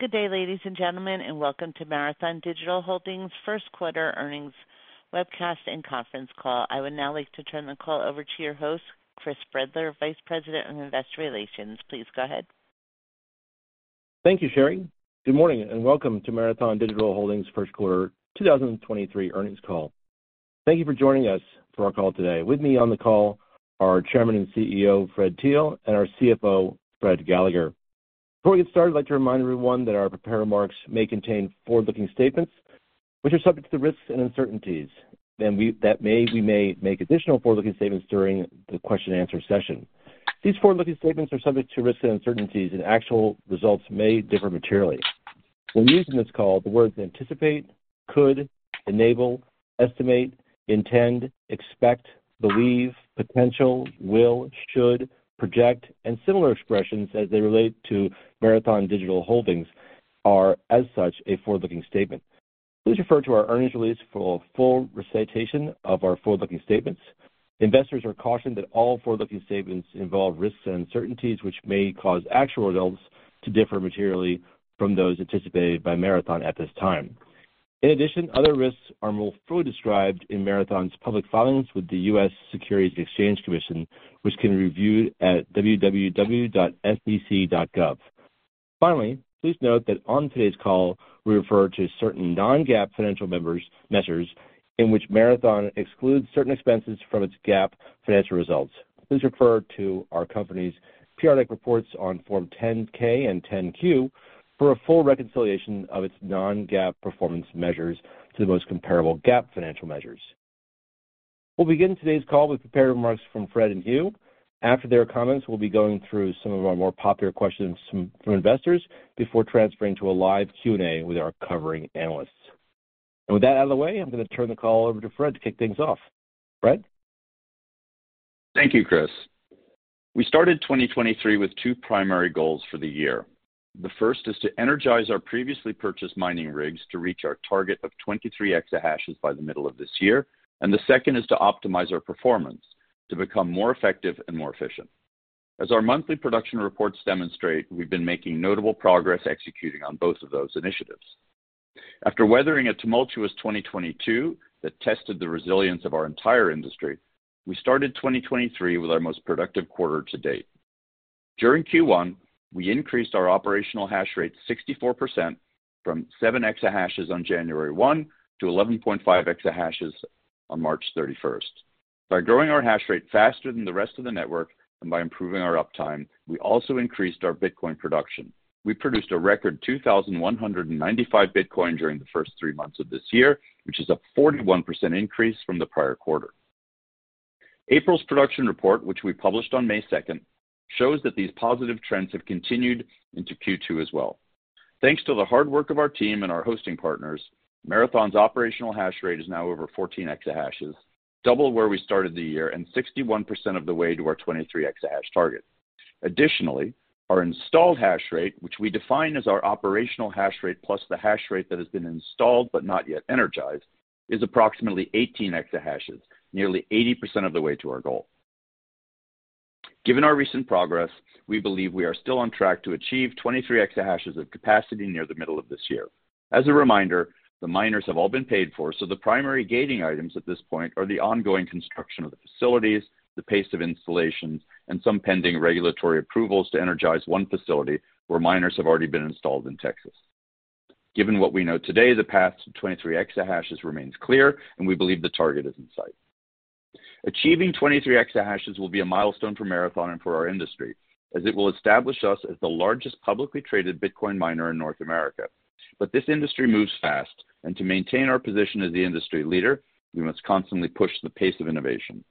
Good day, ladies and gentlemen, and welcome to Marathon Digital Holdings Q1 earnings webcast and conference call. I would now like to turn the call over to your host, Charlie Schumacher, Vice President of Investor Relations. Please go ahead. Thank you, Sherry. Good morning, and welcome to Marathon Digital Holdings Q1 2023 earnings call. Thank you for joining us for our call today. With me on the call, are Chairman and CEO, Fred Thiel, and our CFO, Fred Gallagher. Before we get started, I'd like to remind everyone that our prepared remarks may contain forward-looking statements which are subject to the risks and uncertainties, that we may make additional forward-looking statements during the question answer session. These forward-looking statements are subject to risks and uncertainties, and actual results may differ materially. When used in this call, the words anticipate, could, enable, estimate, intend, expect, believe, potential, will, should, project, and similar expressions as they relate to Marathon Digital Holdings are as such a forward-looking statement. Please refer to our earnings release for full recitation of our forward-looking statements. Investors are cautioned that all forward-looking statements involve risks and uncertainties which may cause actual results to differ materially from those anticipated by Marathon at this time. In addition, other risks are more fully described in Marathon's public filings with the U.S. Securities and Exchange Commission, which can be reviewed at www.sec.gov. Finally, please note that on today's call, we refer to certain non-GAAP financial measures in which Marathon excludes certain expenses from its GAAP financial results. Please refer to our company's periodic reports on Form 10-K and 10-Q for a full reconciliation of its non-GAAP performance measures to the most comparable GAAP financial measures. We'll begin today's call with prepared remarks from Fred and Hugh. After their comments, we'll be going through some of our more popular questions from investors before transferring to a live Q&A with our covering analysts. With that out of the way, I'm going to turn the call over to Fred to kick things off. Fred. Thank you, Charlie. We started 2023 with two primary goals for the year. The first is to energize our previously purchased mining rigs to reach our target of 23 exahashes by the middle of this year, and the second is to optimize our performance to become more effective and more efficient. As our monthly production reports demonstrate, we've been making notable progress executing on both of those initiatives. After weathering a tumultuous 2022 that tested the resilience of our entire industry, we started 2023 with our most productive quarter to date. During Q1, we increased our operational hash rate 64% from 7 exahashes on January 1 to 11.5 exahashes on March 31. By growing our hash rate faster than the rest of the network and by improving our uptime, we also increased our Bitcoin production. We produced a record 2,195 Bitcoin during the first three months of this year, which is a 41% increase from the prior quarter. April's production report, which we published on May 2, shows that these positive trends have continued into Q2 as well. Thanks to the hard work of our team and our hosting partners, Marathon's operational hash rate is now over 14 exahashes, double where we started the year and 61% of the way to our 23 exahash target. Additionally, our installed hash rate, which we define as our operational hash rate plus the hash rate that has been installed but not yet energized, is approximately 18 exahashes, nearly 80% of the way to our goal. Given our recent progress, we believe we are still on track to achieve 23 exahashes of capacity near the middle of this year. As a reminder, the miners have all been paid for. The primary gating items at this point are the ongoing construction of the facilities, the pace of installations, and some pending regulatory approvals to energize one facility where miners have already been installed in Texas. Given what we know today, the path to 23 exahashes remains clear, and we believe the target is in sight. Achieving 23 exahashes will be a milestone for Marathon and for our industry, as it will establish us as the largest publicly traded Bitcoin miner in North America. This industry moves fast, and to maintain our position as the industry leader, we must constantly push the pace of innovation.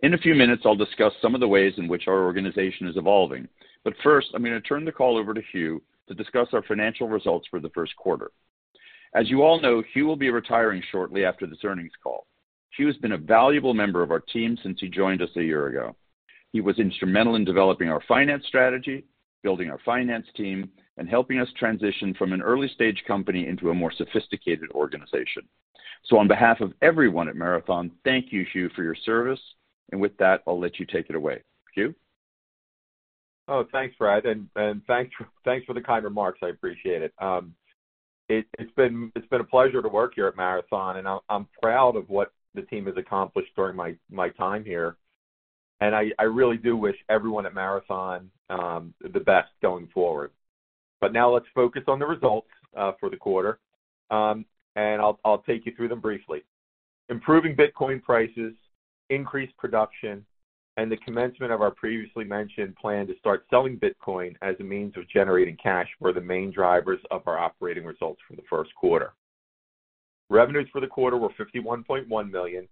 In a few minutes, I'll discuss some of the ways in which our organization is evolving. First, I'm going to turn the call over to Hugh to discuss our financial results for the first quarter. As you all know, Hugh will be retiring shortly after this earnings call. Hugh has been a valuable member of our team since he joined us a year ago. He was instrumental in developing our finance strategy, building our finance team, and helping us transition from an early-stage company into a more sophisticated organization. On behalf of everyone at Marathon, thank you, Hugh, for your service. With that, I'll let you take it away. Hugh? Oh, thanks, Fred. Thanks for the kind remarks. I appreciate it. It's been a pleasure to work here at Marathon, and I'm proud of what the team has accomplished during my time here. I really do wish everyone at Marathon the best going forward. Now let's focus on the results for the quarter. I'll take you through them briefly. Improving Bitcoin prices, increased production, and the commencement of our previously mentioned plan to start selling Bitcoin as a means of generating cash were the main drivers of our operating results for the Q1. Revenues for the quarter were $51.1 million,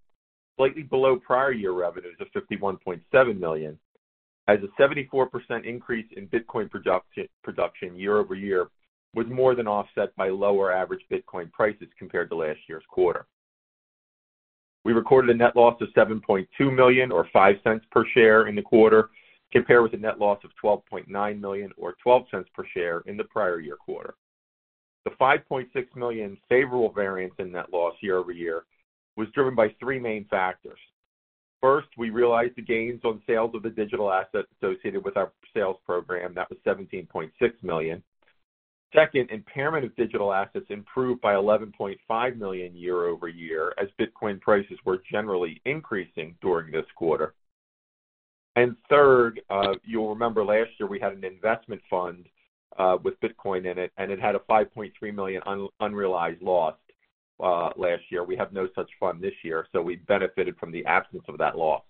slightly below prior year revenues of $51.7 million. A 74% increase in Bitcoin production year-over-year was more than offset by lower average Bitcoin prices compared to last year's quarter. We recorded a net loss of $7.2 million or $0.05 per share in the quarter, compared with a net loss of $12.9 million or $0.12 per share in the prior year quarter. The $5.6 million favorable variance in net loss year-over-year was driven by three main factors. First, we realized the gains on sales of the digital assets associated with our sales program. That was $17.6 million. Second, impairment of digital assets improved by $11.5 million year-over-year as Bitcoin prices were generally increasing during this quarter. Third, you'll remember last year we had an investment fund with Bitcoin in it, and it had a $5.3 million unrealized loss last year. We have no such fund this year, we benefited from the absence of that loss.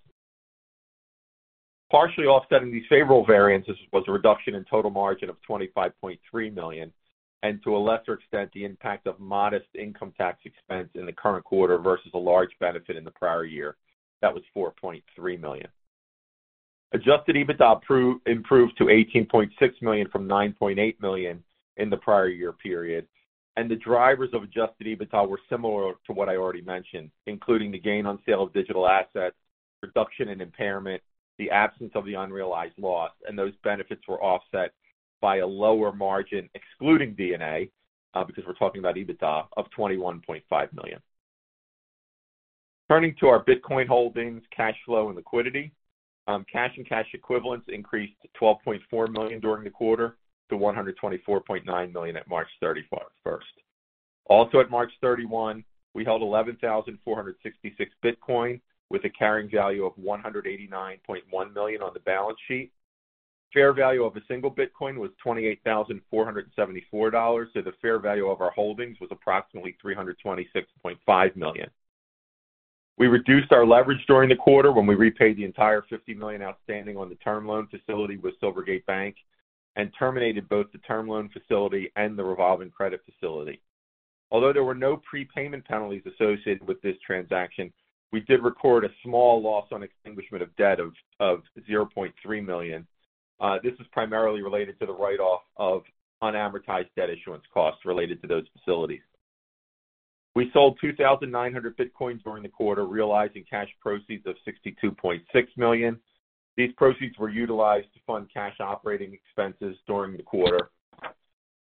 Partially offsetting these favorable variances was a reduction in total margin of $25.3 million, and to a lesser extent, the impact of modest income tax expense in the current quarter versus a large benefit in the prior year. That was $4.3 million. Adjusted EBITDA improved to $18.6 million from $9.8 million in the prior year period. The drivers of Adjusted EBITDA were similar to what I already mentioned, including the gain on sale of digital assets, reduction in impairment, the absence of the unrealized loss, and those benefits were offset by a lower margin, excluding D&A, because we're talking about EBITDA of $21.5 million. Turning to our Bitcoin holdings, cash flow, and liquidity, cash and cash equivalents increased to $12.4 million during the quarter to $124.9 million at March 31st. Also at March 31, we held 11,466 Bitcoin with a carrying value of $189.1 million on the balance sheet. Fair value of a single Bitcoin was $28,474, so the fair value of our holdings was approximately $326.5 million. We reduced our leverage during the quarter when we repaid the entire $50 million outstanding on the term loan facility with Silvergate Bank and terminated both the term loan facility and the revolving credit facility. There were no prepayment penalties associated with this transaction, we did record a small loss on extinguishment of debt of $0.3 million. This was primarily related to the write-off of unadvertised debt issuance costs related to those facilities. We sold 2,900 Bitcoins during the quarter, realizing cash proceeds of $62.6 million. These proceeds were utilized to fund cash operating expenses during the quarter,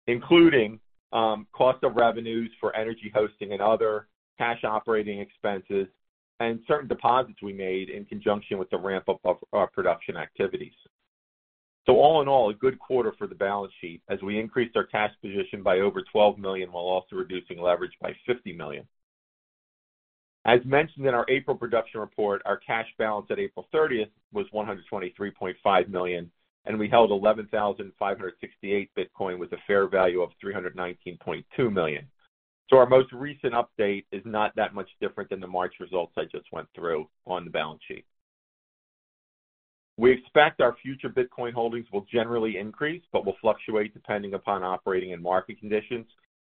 including cost of revenues for energy hosting and other cash operating expenses and certain deposits we made in conjunction with the ramp-up of our production activities. All in all, a good quarter for the balance sheet as we increased our cash position by over $12 million while also reducing leverage by $50 million. As mentioned in our April production report, our cash balance at April 30th was $123.5 million, and we held 11,568 Bitcoin with a fair value of $319.2 million. Our most recent update is not that much different than the March results I just went through on the balance sheet. We expect our future Bitcoin holdings will generally increase but will fluctuate depending upon operating and market conditions.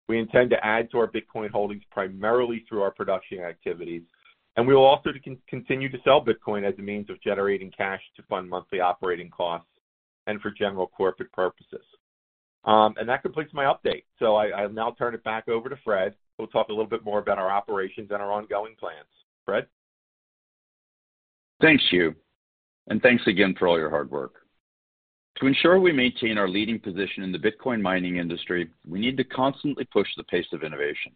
We intend to add to our Bitcoin holdings primarily through our production activities, and we will also continue to sell Bitcoin as a means of generating cash to fund monthly operating costs and for general corporate purposes. That completes my update. I'll now turn it back over to Fred, who will talk a little bit more about our operations and our ongoing plans. Fred? Thanks, Hugh, and thanks again for all your hard work. To ensure we maintain our leading position in the Bitcoin mining industry, we need to constantly push the pace of innovation.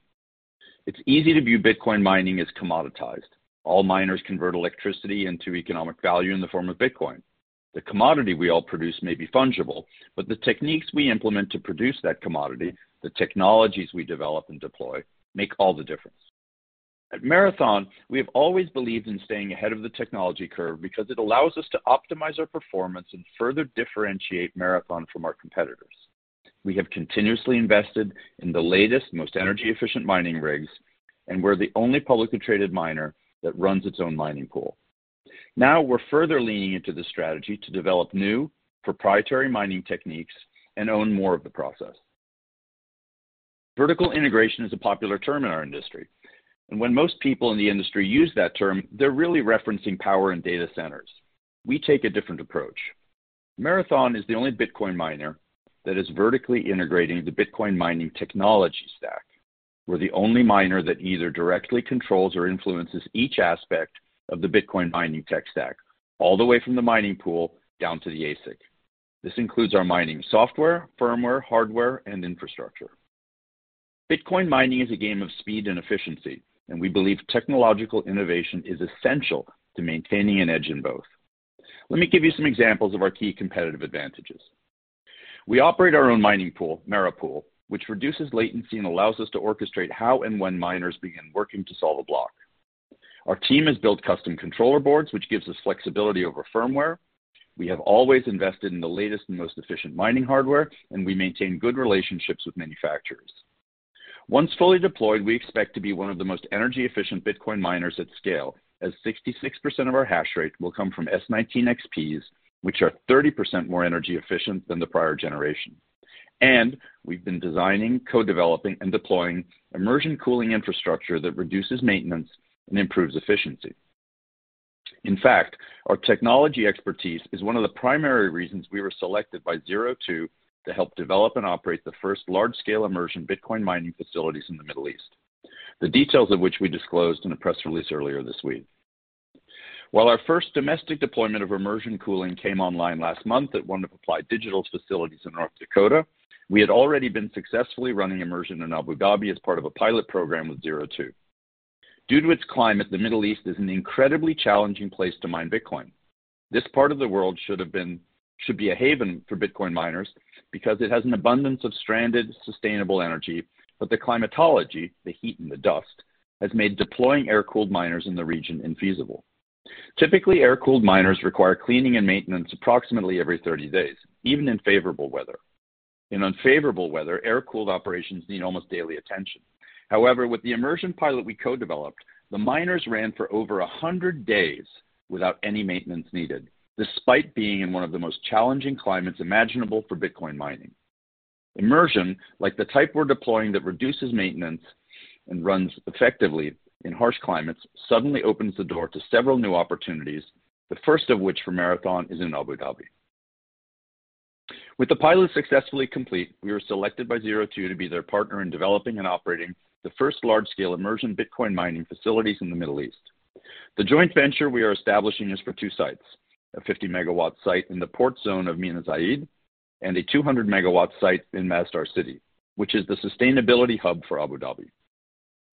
It's easy to view Bitcoin mining as commoditized. All miners convert electricity into economic value in the form of Bitcoin. The commodity we all produce may be fungible, but the techniques we implement to produce that commodity, the technologies we develop and deploy, make all the difference. At Marathon, we have always believed in staying ahead of the technology curve because it allows us to optimize our performance and further differentiate Marathon from our competitors. We have continuously invested in the latest, most energy-efficient mining rigs, and we're the only publicly traded miner that runs its own mining pool. Now we're further leaning into the strategy to develop new proprietary mining techniques and own more of the process. Vertical integration is a popular term in our industry, and when most people in the industry use that term, they're really referencing power in data centers. We take a different approach. Marathon is the only Bitcoin miner that is vertically integrating the Bitcoin mining technology stack. We're the only miner that either directly controls or influences each aspect of the Bitcoin mining tech stack, all the way from the mining pool down to the ASIC. This includes our mining software, firmware, hardware, and infrastructure. Bitcoin mining is a game of speed and efficiency, and we believe technological innovation is essential to maintaining an edge in both. Let me give you some examples of our key competitive advantages. We operate our own mining pool, MaraPool, which reduces latency and allows us to orchestrate how and when miners begin working to solve a block. Our team has built custom controller boards, which gives us flexibility over firmware. We have always invested in the latest and most efficient mining hardware, and we maintain good relationships with manufacturers. Once fully deployed, we expect to be one of the most energy-efficient Bitcoin miners at scale, as 66% of our hash rate will come from S19 XPs, which are 30% more energy efficient than the prior generation. We've been designing, co-developing, and deploying immersion cooling infrastructure that reduces maintenance and improves efficiency. In fact, our technology expertise is one of the primary reasons we were selected by Zero Two to help develop and operate the first large-scale immersion Bitcoin mining facilities in the Middle East, the details of which we disclosed in a press release earlier this week. While our first domestic deployment of immersion cooling came online last month at one of Applied Digital's facilities in North Dakota, we had already been successfully running immersion in Abu Dhabi as part of a pilot program with Zero Two. Due to its climate, the Middle East is an incredibly challenging place to mine Bitcoin. This part of the world should be a haven for Bitcoin miners because it has an abundance of stranded, sustainable energy, but the climatology, the heat and the dust, has made deploying air-cooled miners in the region infeasible. Typically, air-cooled miners require cleaning and maintenance approximately every 30 days, even in favorable weather. In unfavorable weather, air-cooled operations need almost daily attention. With the immersion pilot we co-developed, the miners ran for over 100 days without any maintenance needed, despite being in one of the most challenging climates imaginable for Bitcoin mining. Immersion, like the type we're deploying that reduces maintenance and runs effectively in harsh climates, suddenly opens the door to several new opportunities, the first of which for Marathon is in Abu Dhabi. With the pilot successfully complete, we were selected by Zero Two to be their partner in developing and operating the first large-scale immersion Bitcoin mining facilities in the Middle East. The joint venture we are establishing is for two sites, a 50-megawatt site in the port zone of Mina Zayed and a 200-megawatt site in Masdar City, which is the sustainability hub for Abu Dhabi.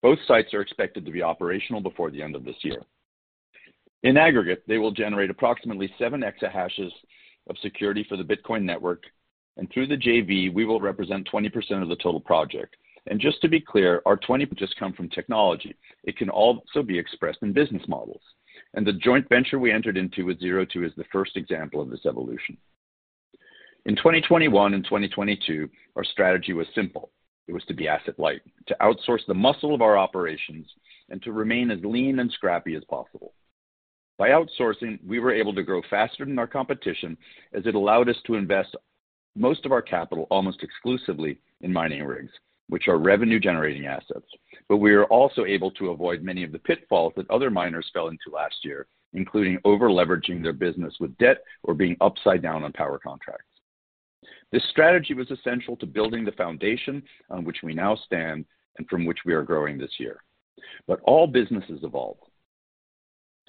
Both sites are expected to be operational before the end of this year. In aggregate, they will generate approximately seven exahashes of security for the Bitcoin network, and through the JV, we will represent 20% of the total project. Just to be clear, our Just come from technology. It can also be expressed in business models. The joint venture we entered into with Zero Two is the first example of this evolution. In 2021 and 2022, our strategy was simple. It was to be asset light, to outsource the muscle of our operations, and to remain as lean and scrappy as possible. By outsourcing, we were able to grow faster than our competition as it allowed us to invest most of our capital almost exclusively in mining rigs, which are revenue-generating assets. We are also able to avoid many of the pitfalls that other miners fell into last year, including over-leveraging their business with debt or being upside down on power contracts. This strategy was essential to building the foundation on which we now stand and from which we are growing this year. All businesses evolve.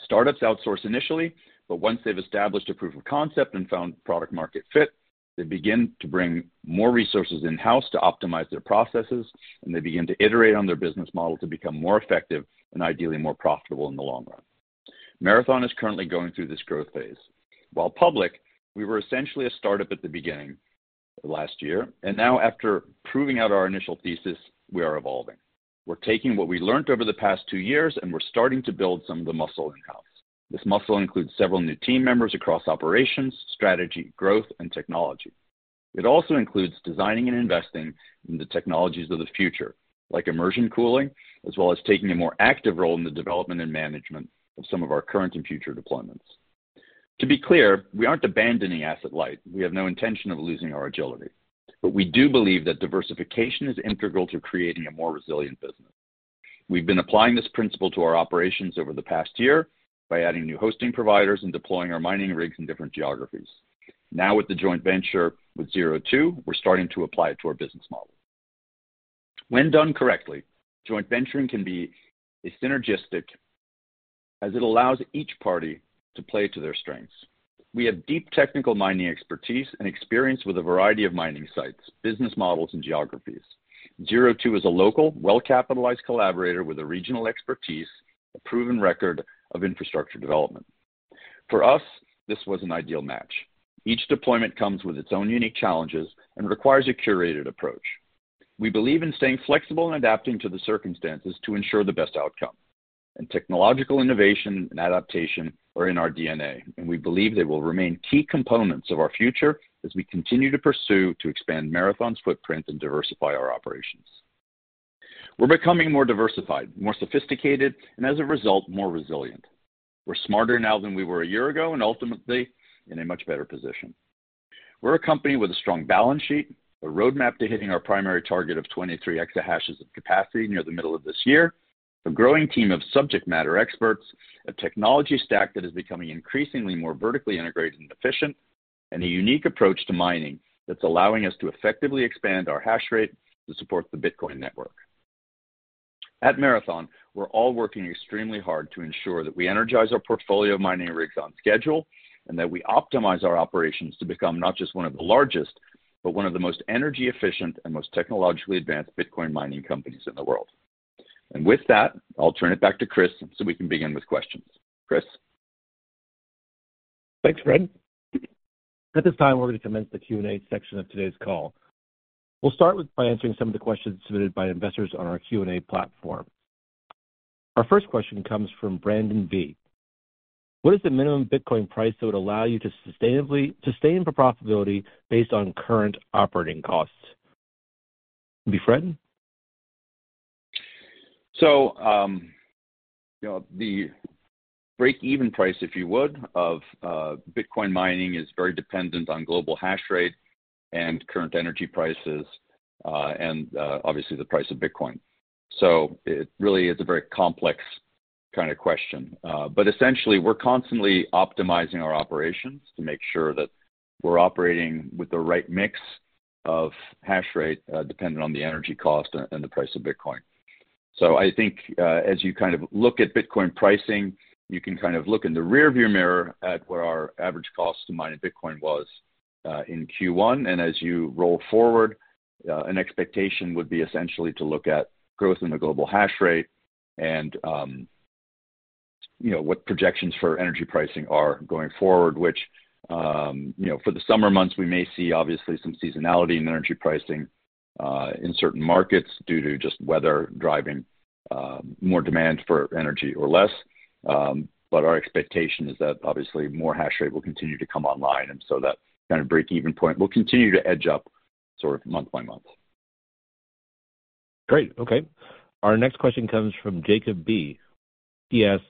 Startups outsource initially, but once they've established a proof of concept and found product-market fit, they begin to bring more resources in-house to optimize their processes, and they begin to iterate on their business model to become more effective and ideally more profitable in the long run. Marathon is currently going through this growth phase. While public, we were essentially a startup at the beginning of last year. Now after proving out our initial thesis, we are evolving. We're taking what we learned over the past two years, we're starting to build some of the muscle in-house. This muscle includes several new team members across operations, strategy, growth, and technology. It also includes designing and investing in the technologies of the future, like immersion cooling, as well as taking a more active role in the development and management of some of our current and future deployments. To be clear, we aren't abandoning asset light. We have no intention of losing our agility. We do believe that diversification is integral to creating a more resilient business. We've been applying this principle to our operations over the past year by adding new hosting providers and deploying our mining rigs in different geographies. With the joint venture with ZeroTwo, we're starting to apply it to our business model. When done correctly, joint venturing can be as synergistic as it allows each party to play to their strengths. We have deep technical mining expertise and experience with a variety of mining sites, business models, and geographies. ZeroTwo is a local, well-capitalized collaborator with a regional expertise, a proven record of infrastructure development. For us, this was an ideal match. Each deployment comes with its own unique challenges and requires a curated approach. We believe in staying flexible and adapting to the circumstances to ensure the best outcome. Technological innovation and adaptation are in our DNA, and we believe they will remain key components of our future as we continue to pursue to expand Marathon's footprint and diversify our operations. We're becoming more diversified, more sophisticated, and as a result, more resilient. We're smarter now than we were a year ago and ultimately in a much better position. We're a company with a strong balance sheet, a roadmap to hitting our primary target of 23 exahashes of capacity near the middle of this year, a growing team of subject matter experts, a technology stack that is becoming increasingly more vertically integrated and efficient, and a unique approach to mining that's allowing us to effectively expand our hash rate to support the Bitcoin network. At Marathon, we're all working extremely hard to ensure that we energize our portfolio of mining rigs on schedule and that we optimize our operations to become not just one of the largest, but one of the most energy efficient and most technologically advanced Bitcoin mining companies in the world. With that, I'll turn it back to Charlie so we can begin with questions. Charlie? Thanks, Fred. At this time, we're going to commence the Q&A section of today's call. We'll start with by answering some of the questions submitted by investors on our Q&A platform. Our first question comes from Brandon B. What is the minimum Bitcoin price that would allow you to sustain for profitability based on current operating costs? To you, Fred. You know, the break-even price, if you would, of Bitcoin mining is very dependent on global hash rate and current energy prices, and obviously the price of Bitcoin. It really is a very complex kind of question. Essentially, we're constantly optimizing our operations to make sure that we're operating with the right mix of hash rate, dependent on the energy cost and the price of Bitcoin. I think, as you kind of look at Bitcoin pricing, you can kind of look in the rearview mirror at where our average cost to mining Bitcoin was in Q1. As you roll forward, an expectation would be essentially to look at growth in the global hash rate and, you know, what projections for energy pricing are going forward, which, you know, for the summer months, we may see obviously some seasonality in energy pricing in certain markets due to just weather driving more demand for energy or less. Our expectation is that obviously more hash rate will continue to come online, and so that kind of break-even point will continue to edge up sort of month by month. Great. Okay. Our next question comes from Jacob B. He asks,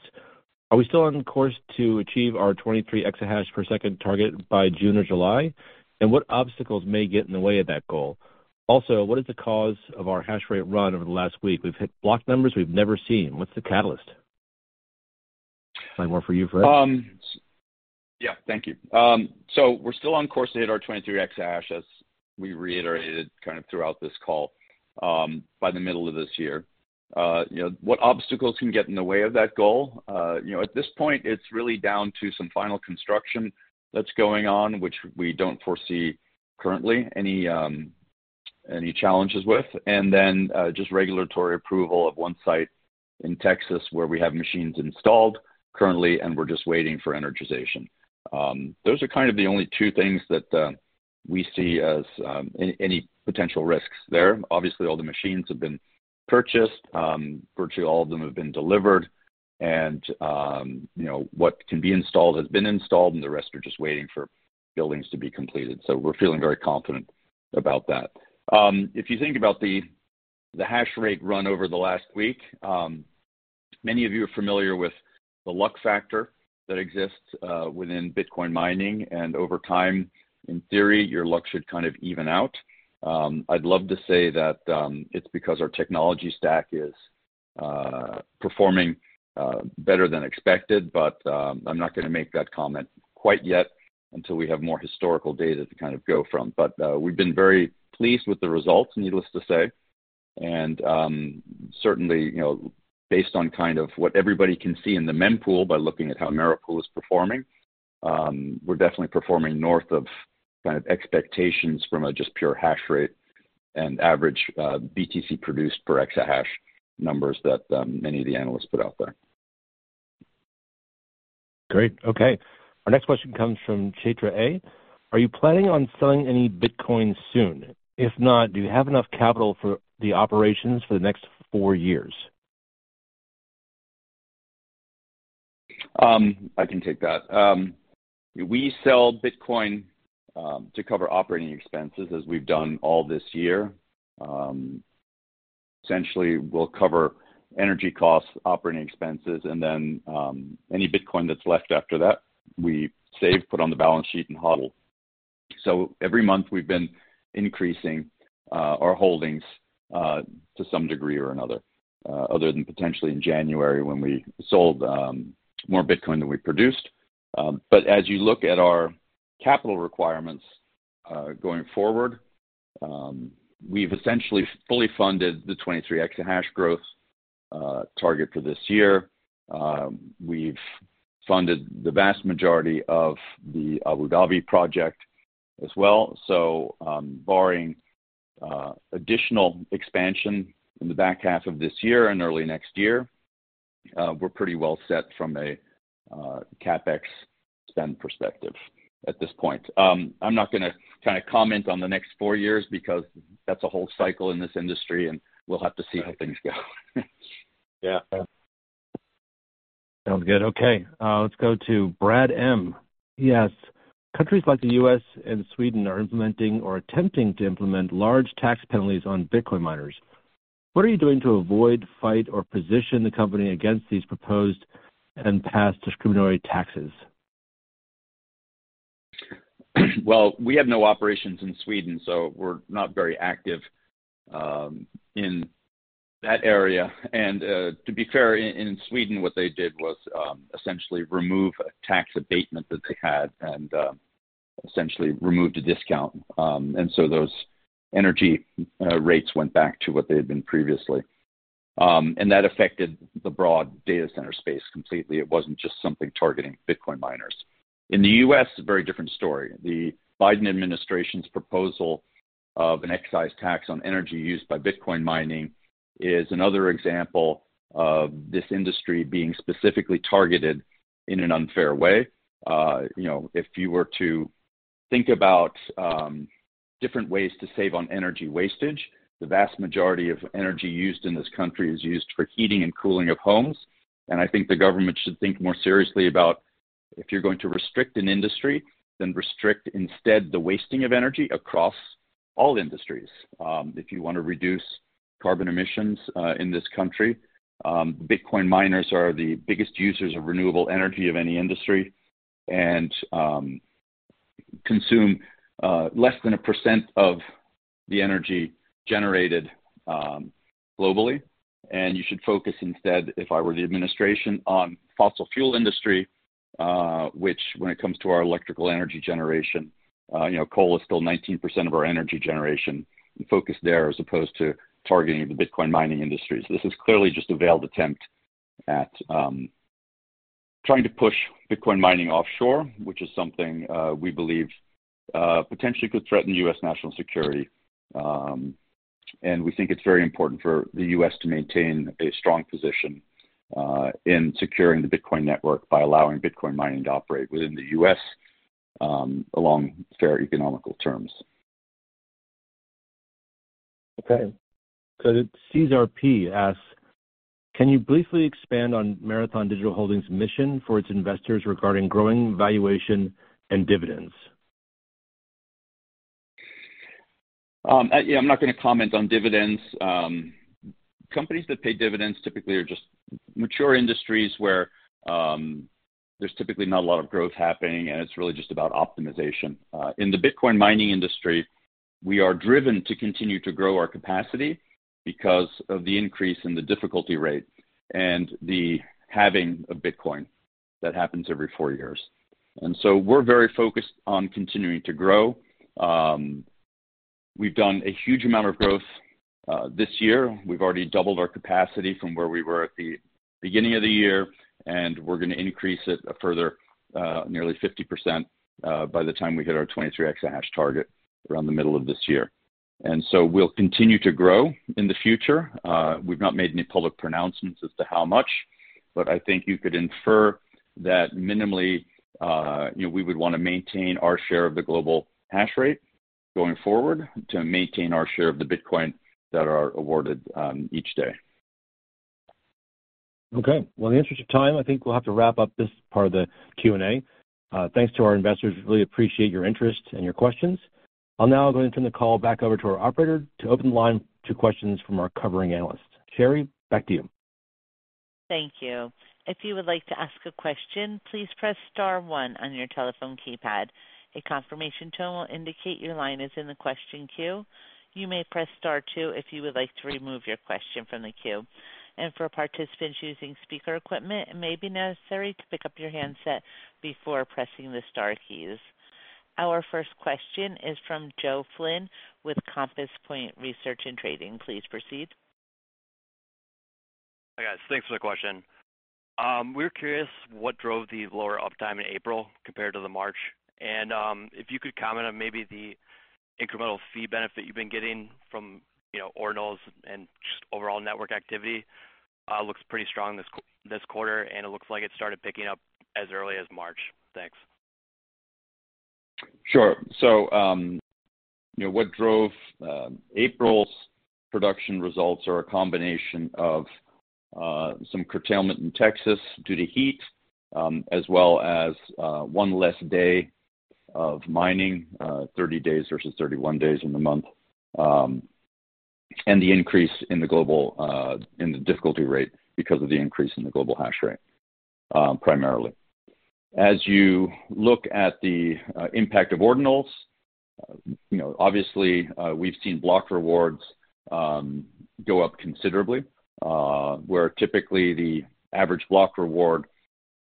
"Are we still on course to achieve our 23 exahash per second target by June or July? What obstacles may get in the way of that goal? What is the cause of our hash rate run over the last week? We've hit block numbers we've never seen. What's the catalyst?" Same offer you, Fred. Yeah, thank you. We're still on course to hit our 23 exahash, as we reiterated kind of throughout this call, by the middle of this year. You know, what obstacles can get in the way of that goal? You know, at this point, it's really down to some final construction that's going on, which we don't foresee currently any challenges with. Just regulatory approval at 1 site in Texas where we have machines installed currently, and we're just waiting for energization. Those are kind of the only 2 things that we see as any potential risks there. Obviously, all the machines have been purchased. Virtually all of them have been delivered and, you know, what can be installed has been installed, and the rest are just waiting for buildings to be completed. We're feeling very confident about that. If you think about the hash rate run over the last week, many of you are familiar with the luck factor that exists within Bitcoin mining, and over time, in theory, your luck should kind of even out. I'd love to say that it's because our technology stack is performing better than expected, but I'm not gonna make that comment quite yet until we have more historical data to kind of go from. We've been very pleased with the results, needless to say. certainly, you know, based on kind of what everybody can see in the mempool by looking at how MaraPool is performing, we're definitely performing north of kind of expectations from a just pure hash rate and average, BTC produced per exahash numbers that many of the analysts put out there. Great. Okay. Our next question comes from Chaitra A. "Are you planning on selling any Bitcoin soon? If not, do you have enough capital for the operations for the next four years? I can take that. We sell Bitcoin to cover operating expenses as we've done all this year. Essentially we'll cover energy costs, operating expenses, and then any Bitcoin that's left after that we save, put on the balance sheet and HODL. Every month we've been increasing our holdings to some degree or another, other than potentially in January when we sold more Bitcoin than we produced. As you look at our capital requirements going forward, we've essentially fully funded the 23 exahash growth target for this year. We've funded the vast majority of the Abu Dhabi project as well. Barring additional expansion in the back half of this year and early next year, we're pretty well set from a CapEx spend perspective at this point. I'm not gonna try to comment on the next four years because that's a whole cycle in this industry, and we'll have to see how things go. Yeah. Sounds good. Okay. Let's go to Brad M. He asks, "Countries like the U.S. and Sweden are implementing or attempting to implement large tax penalties on Bitcoin miners. What are you doing to avoid, fight, or position the company against these proposed and passed discriminatory taxes? We have no operations in Sweden, we're not very active in that area. To be fair, in Sweden, what they did was essentially remove a tax abatement that they had and essentially removed a discount. Those energy rates went back to what they had been previously. That affected the broad data center space completely. It wasn't just something targeting Bitcoin miners. In the U.S., a very different story. The Biden administration's proposal of an excise tax on energy used by Bitcoin mining is another example of this industry being specifically targeted in an unfair way. You know, if you were to think about different ways to save on energy wastage, the vast majority of energy used in this country is used for heating and cooling of homes. I think the government should think more seriously about if you're going to restrict an industry, then restrict instead the wasting of energy across all industries. If you wanna reduce carbon emissions in this country, Bitcoin miners are the biggest users of renewable energy of any industry and consume less than 1% of the energy generated globally. You should focus instead, if I were the administration, on fossil fuel industry, which when it comes to our electrical energy generation, you know, coal is still 19% of our energy generation. The focus there as opposed to targeting the Bitcoin mining industry. This is clearly just a veiled attempt at trying to push Bitcoin mining offshore, which is something we believe potentially could threaten U.S. national security. We think it's very important for the U.S. to maintain a strong position in securing the Bitcoin network by allowing Bitcoin mining to operate within the U.S. along fair economical terms. Cesar P asks, can you briefly expand on Marathon Digital Holdings mission for its investors regarding growing valuation and dividends? Yeah, I'm not gonna comment on dividends. Companies that pay dividends typically are just mature industries where there's typically not a lot of growth happening, and it's really just about optimization. In the Bitcoin mining industry, we are driven to continue to grow our capacity because of the increase in the difficulty rate and the halving of Bitcoin that happens every four years. We're very focused on continuing to grow. We've done a huge amount of growth this year. We've already doubled our capacity from where we were at the beginning of the year, and we're gonna increase it a further nearly 50% by the time we hit our 23 exahash target around the middle of this year. We'll continue to grow in the future. We've not made any public pronouncements as to how much, but I think you could infer that minimally, you know, we would wanna maintain our share of the global hash rate going forward to maintain our share of the Bitcoin that are awarded, each day. Okay. Well, in the interest of time, I think we'll have to wrap up this part of the Q&A. Thanks to our investors. We really appreciate your interest and your questions. I'll now go and turn the call back over to our operator to open the line to questions from our covering analysts. Sherry, back to you. Thank you. If you would like to ask a question, please press star one on your telephone keypad. A confirmation tone will indicate your line is in the question queue. You may press star two if you would like to remove your question from the queue. For participants using speaker equipment, it may be necessary to pick up your handset before pressing the star keys. Our first question is from Joe Flynn with Compass Point Research & Trading. Please proceed. Hi, guys. Thanks for the question. We're curious what drove the lower uptime in April compared to the March, if you could comment on maybe the incremental fee benefit you've been getting from, you know, Ordinals and just overall network activity, looks pretty strong this quarter, and it looks like it started picking up as early as March. Thanks. Sure. You know, what drove April's production results are a combination of some curtailment in Texas due to heat, as well as one less day of mining, 30 days versus 31 days in the month, and the increase in the global difficulty rate because of the increase in the global hash rate, primarily. As you look at the impact of Ordinals, you know, obviously, we've seen block rewards go up considerably, where typically the average block reward,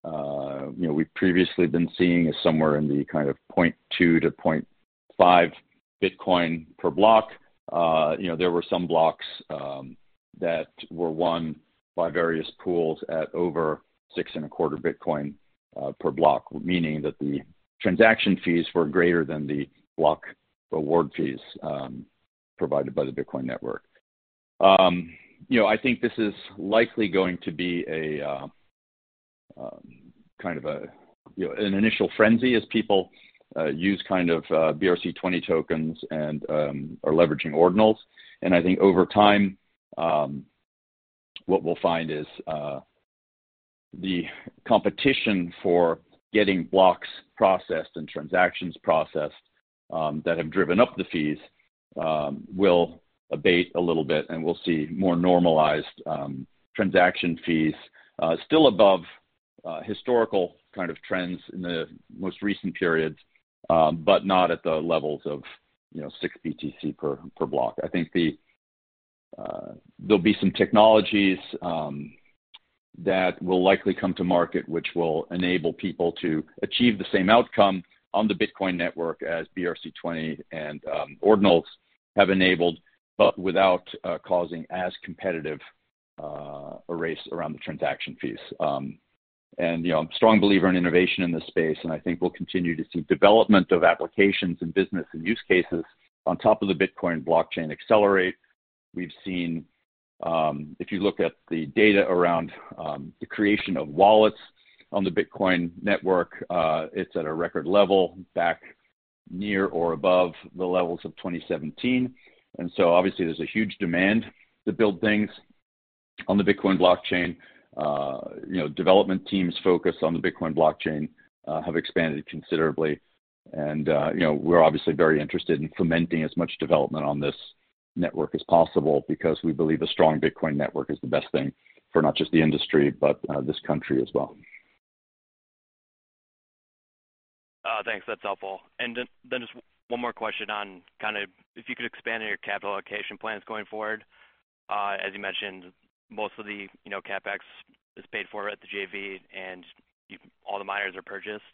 you know, we've previously been seeing is somewhere in the kind of 0.2 to 0.5 Bitcoin per block. You know, there were some blocks that were won by various pools at over six and a quarter Bitcoin per block, meaning that the transaction fees were greater than the block reward fees provided by the Bitcoin network. You know, I think this is likely going to be a kind of a, you know, an initial frenzy as people use kind of BRC-20 tokens and are leveraging Ordinals. I think over time, what we'll find is the competition for getting blocks processed and transactions processed that have driven up the fees will abate a little bit, and we'll see more normalized transaction fees still above historical kind of trends in the most recent periods, but not at the levels of, you know, 6 BTC per block. I think there'll be some technologies that will likely come to market which will enable people to achieve the same outcome on the Bitcoin network as BRC-20 and Ordinals have enabled, but without causing as competitive a race around the transaction fees. You know, I'm a strong believer in innovation in this space, and I think we'll continue to see development of applications and business and use cases on top of the Bitcoin blockchain accelerate. We've seen, if you look at the data around the creation of wallets on the Bitcoin network, it's at a record level back near or above the levels of 2017. Obviously there's a huge demand to build things on the Bitcoin blockchain. You know, development teams focused on the Bitcoin blockchain have expanded considerably. You know, we're obviously very interested in fomenting as much development on this network as possible because we believe a strong Bitcoin network is the best thing for not just the industry, but this country as well. Thanks. That's helpful. Just one more question on kind of if you could expand on your capital allocation plans going forward. As you mentioned, most of the, you know, CapEx is paid for at the JV, and all the miners are purchased.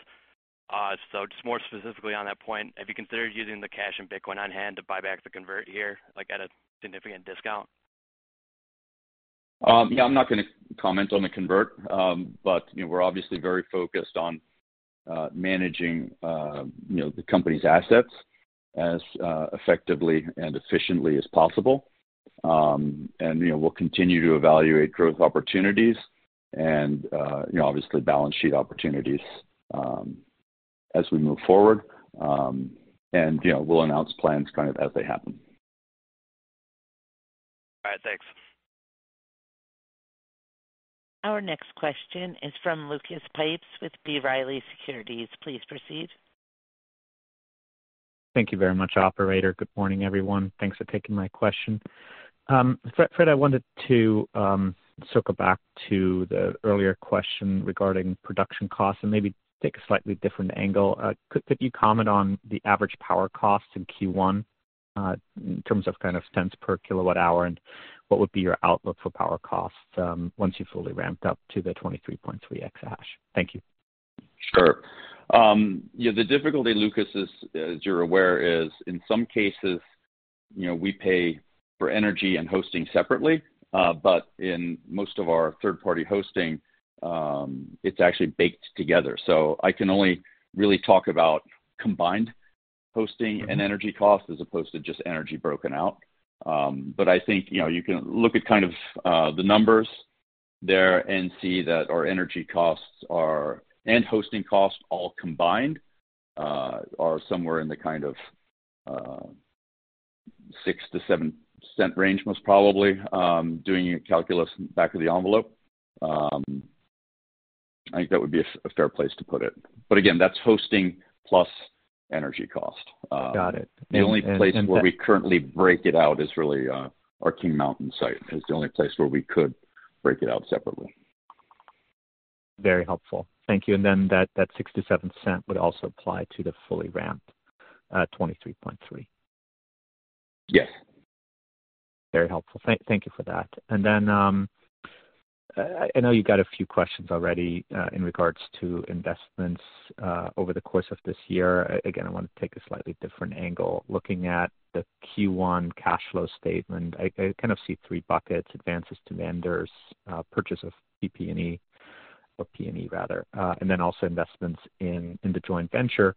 Just more specifically on that point, have you considered using the cash and Bitcoin on hand to buy back the convertible here, like, at a significant discount? Yeah, I'm not gonna comment on the convertible. You know, we're obviously very focused on managing, you know, the company's assets as effectively and efficiently as possible. You know, we'll continue to evaluate growth opportunities and, you know, obviously, balance sheet opportunities as we move forward. You know, we'll announce plans kind of as they happen. All right. Thanks. Our next question is from Lucas Pipes with B. Riley Securities. Please proceed. Thank you very much, operator. Good morning, everyone. Thanks for taking my question. Fred, I wanted to circle back to the earlier question regarding production costs and maybe take a slightly different angle. Could you comment on the average power cost in Q1 in terms of kind of cents per kilowatt hour, and what would be your outlook for power costs once you've fully ramped up to the 23.3 exahash? Thank you. Sure. Yeah, the difficulty, Lucas, is, as you're aware, is in some cases, you know, we pay for energy and hosting separately, but in most of our third-party hosting, it's actually baked together. I can only really talk about combined hosting. energy costs as opposed to just energy broken out. I think, you know, you can look at kind of, the numbers there and see that our energy costs and hosting costs all combined, are somewhere in the kind of, $0.06 to 0.07 range, most probably, doing your calculus back of the envelope. I think that would be a fair place to put it. Again, that's hosting plus energy cost. Got it. The only place where we currently break it out is really, our Kings Mountain site. It's the only place where we could break it out separately. Very helpful. Thank you. That $0.06 to 0.07 would also apply to the fully ramped 23.3? Yes. Very helpful. Thank you for that. Then, I know you got a few questions already in regards to investments over the course of this year. Again, I want to take a slightly different angle. Looking at the Q1 cash flow statement, I kind of see three buckets, advances to vendors, purchase of PP&E or P&E rather, and then also investments in the joint venture.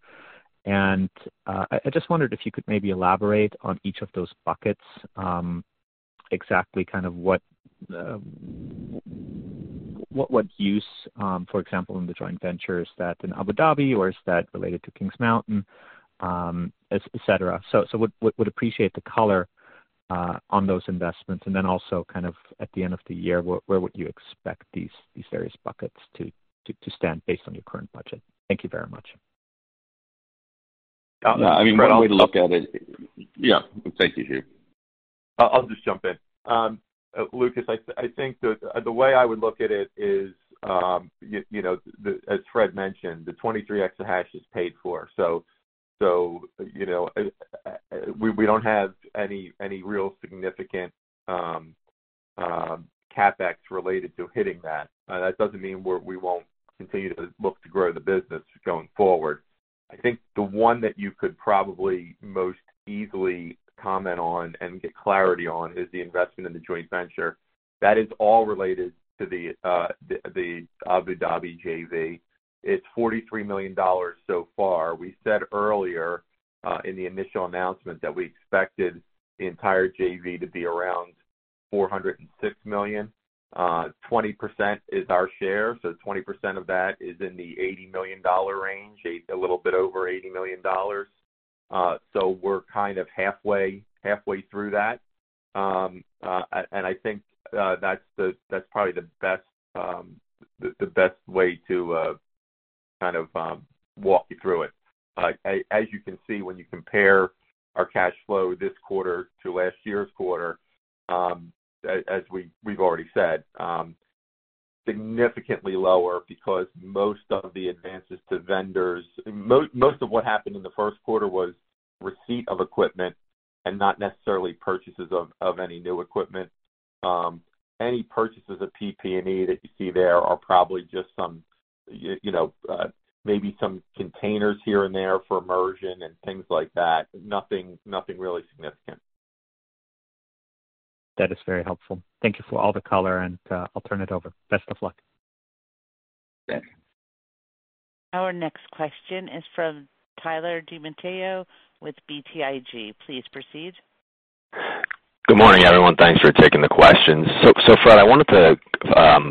I just wondered if you could maybe elaborate on each of those buckets, exactly kind of what use, for example, in the joint venture. Is that in Abu Dhabi or is that related to Kings Mountain, et cetera. So, would appreciate the color on those investments. Also kind of at the end of the year, where would you expect these various buckets to stand based on your current budget? Thank you very much. I mean, one way to look at it. Yeah. Thanks, Hugh. I'll just jump in. Lucas, I think the way I would look at it is, you know, the, as Fred mentioned, the 23 exahashes is paid for, so, you know, we don't have any real significant CapEx related to hitting that. That doesn't mean we won't continue to look to grow the business going forward. I think the one that you could probably most easily comment on and get clarity on is the investment in the joint venture. That is all related to the Abu Dhabi JV. It's $43 million so far. We said earlier, in the initial announcement that we expected the entire JV to be around $406 million. 20% is our share, 20% of that is in the $80 million range, a little bit over $80 million. We're kind of halfway through that. I think that's probably the best way to kind of walk you through it. As you can see when you compare our cash flow this quarter to last year's quarter, as we've already said, significantly lower because most of the advances to vendors... Most of what happened in the Q1 was receipt of equipment and not necessarily purchases of any new equipment. Any purchases of PP&E that you see there are probably just some, you know, maybe some containers here and there for immersion and things like that. Nothing really significant. That is very helpful. Thank you for all the color, and, I'll turn it over. Best of luck. Thanks. Our next question is from Tyler Page with BTIG. Please proceed. Good morning, everyone. Thanks for taking the questions. Fred, I wanted to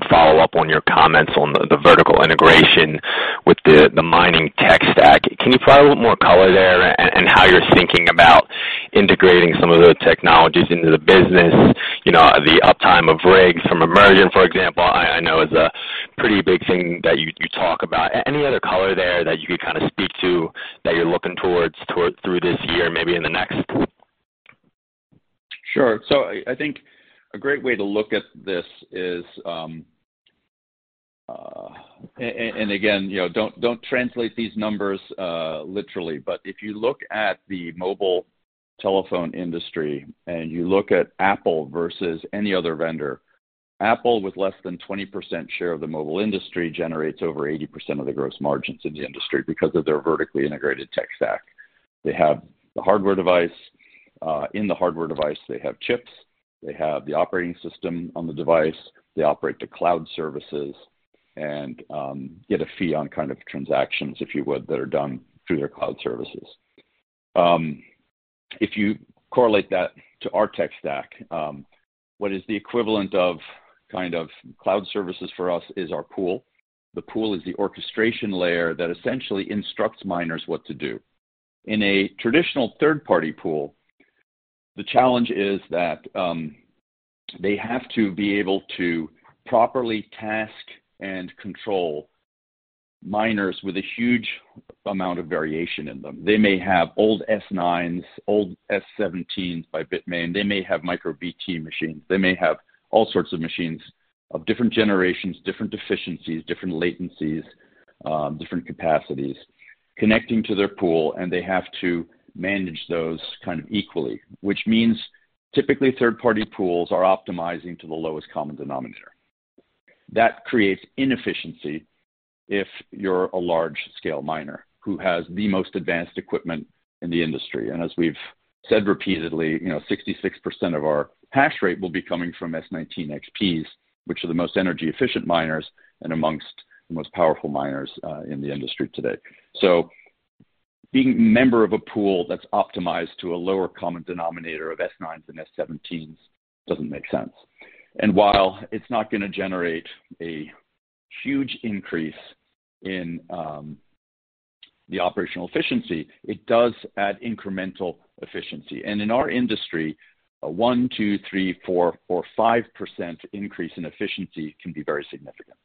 follow up on your comments on the vertical integration with the mining tech stack. Can you provide a little more color there and how you're thinking about integrating some of those technologies into the business? You know, the uptime of rigs from immersion, for example, I know is a pretty big thing that you talk about. Any other color there that you could kind of speak to, that you're looking towards through this year, maybe in the next? Sure. I think a great way to look at this is, again, you know, don't translate these numbers literally. If you look at the mobile telephone industry and you look at Apple versus any other vendor, Apple with less than 20% share of the mobile industry generates over 80% of the gross margins in the industry because of their vertically integrated tech stack. They have the hardware device. In the hardware device, they have chips. They have the operating system on the device. They operate the cloud services and get a fee on kind of transactions, if you would, that are done through their cloud services. If you correlate that to our tech stack, what is the equivalent of kind of cloud services for us is our pool. The pool is the orchestration layer that essentially instructs miners what to do. In a traditional third-party pool, the challenge is that they have to be able to properly task and control miners with a huge amount of variation in them. They may have old S9s, old S17s by Bitmain. They may have MicroBT machines. They may have all sorts of machines of different generations, different deficiencies, different latencies, different capacities connecting to their pool, and they have to manage those kind of equally, which means typically third-party pools are optimizing to the lowest common denominator. That creates inefficiency if you're a large-scale miner who has the most advanced equipment in the industry. As we've said repeatedly, you know, 66% of our hash rate will be coming from S19 XPs, which are the most energy efficient miners and amongst the most powerful miners, in the industry today. Being a member of a pool that's optimized to a lower common denominator of S9s and S17s doesn't make sense. While it's not gonna generate a huge increase in, the operational efficiency, it does add incremental efficiency. In our industry, a one, two, three, four, or 5% increase in efficiency can be very significant.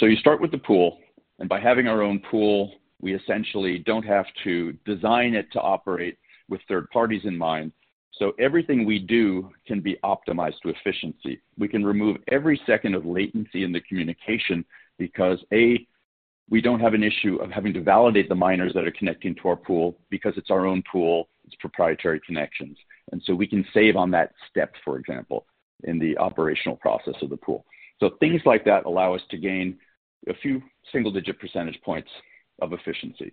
You start with the pool, and by having our own pool, we essentially don't have to design it to operate with third parties in mind. Everything we do can be optimized to efficiency. We can remove every second of latency in the communication because, A, we don't have an issue of having to validate the miners that are connecting to our pool because it's our own pool, it's proprietary connections. We can save on that step, for example, in the operational process of the pool. Things like that allow us to gain a few single-digit percentage points of efficiency,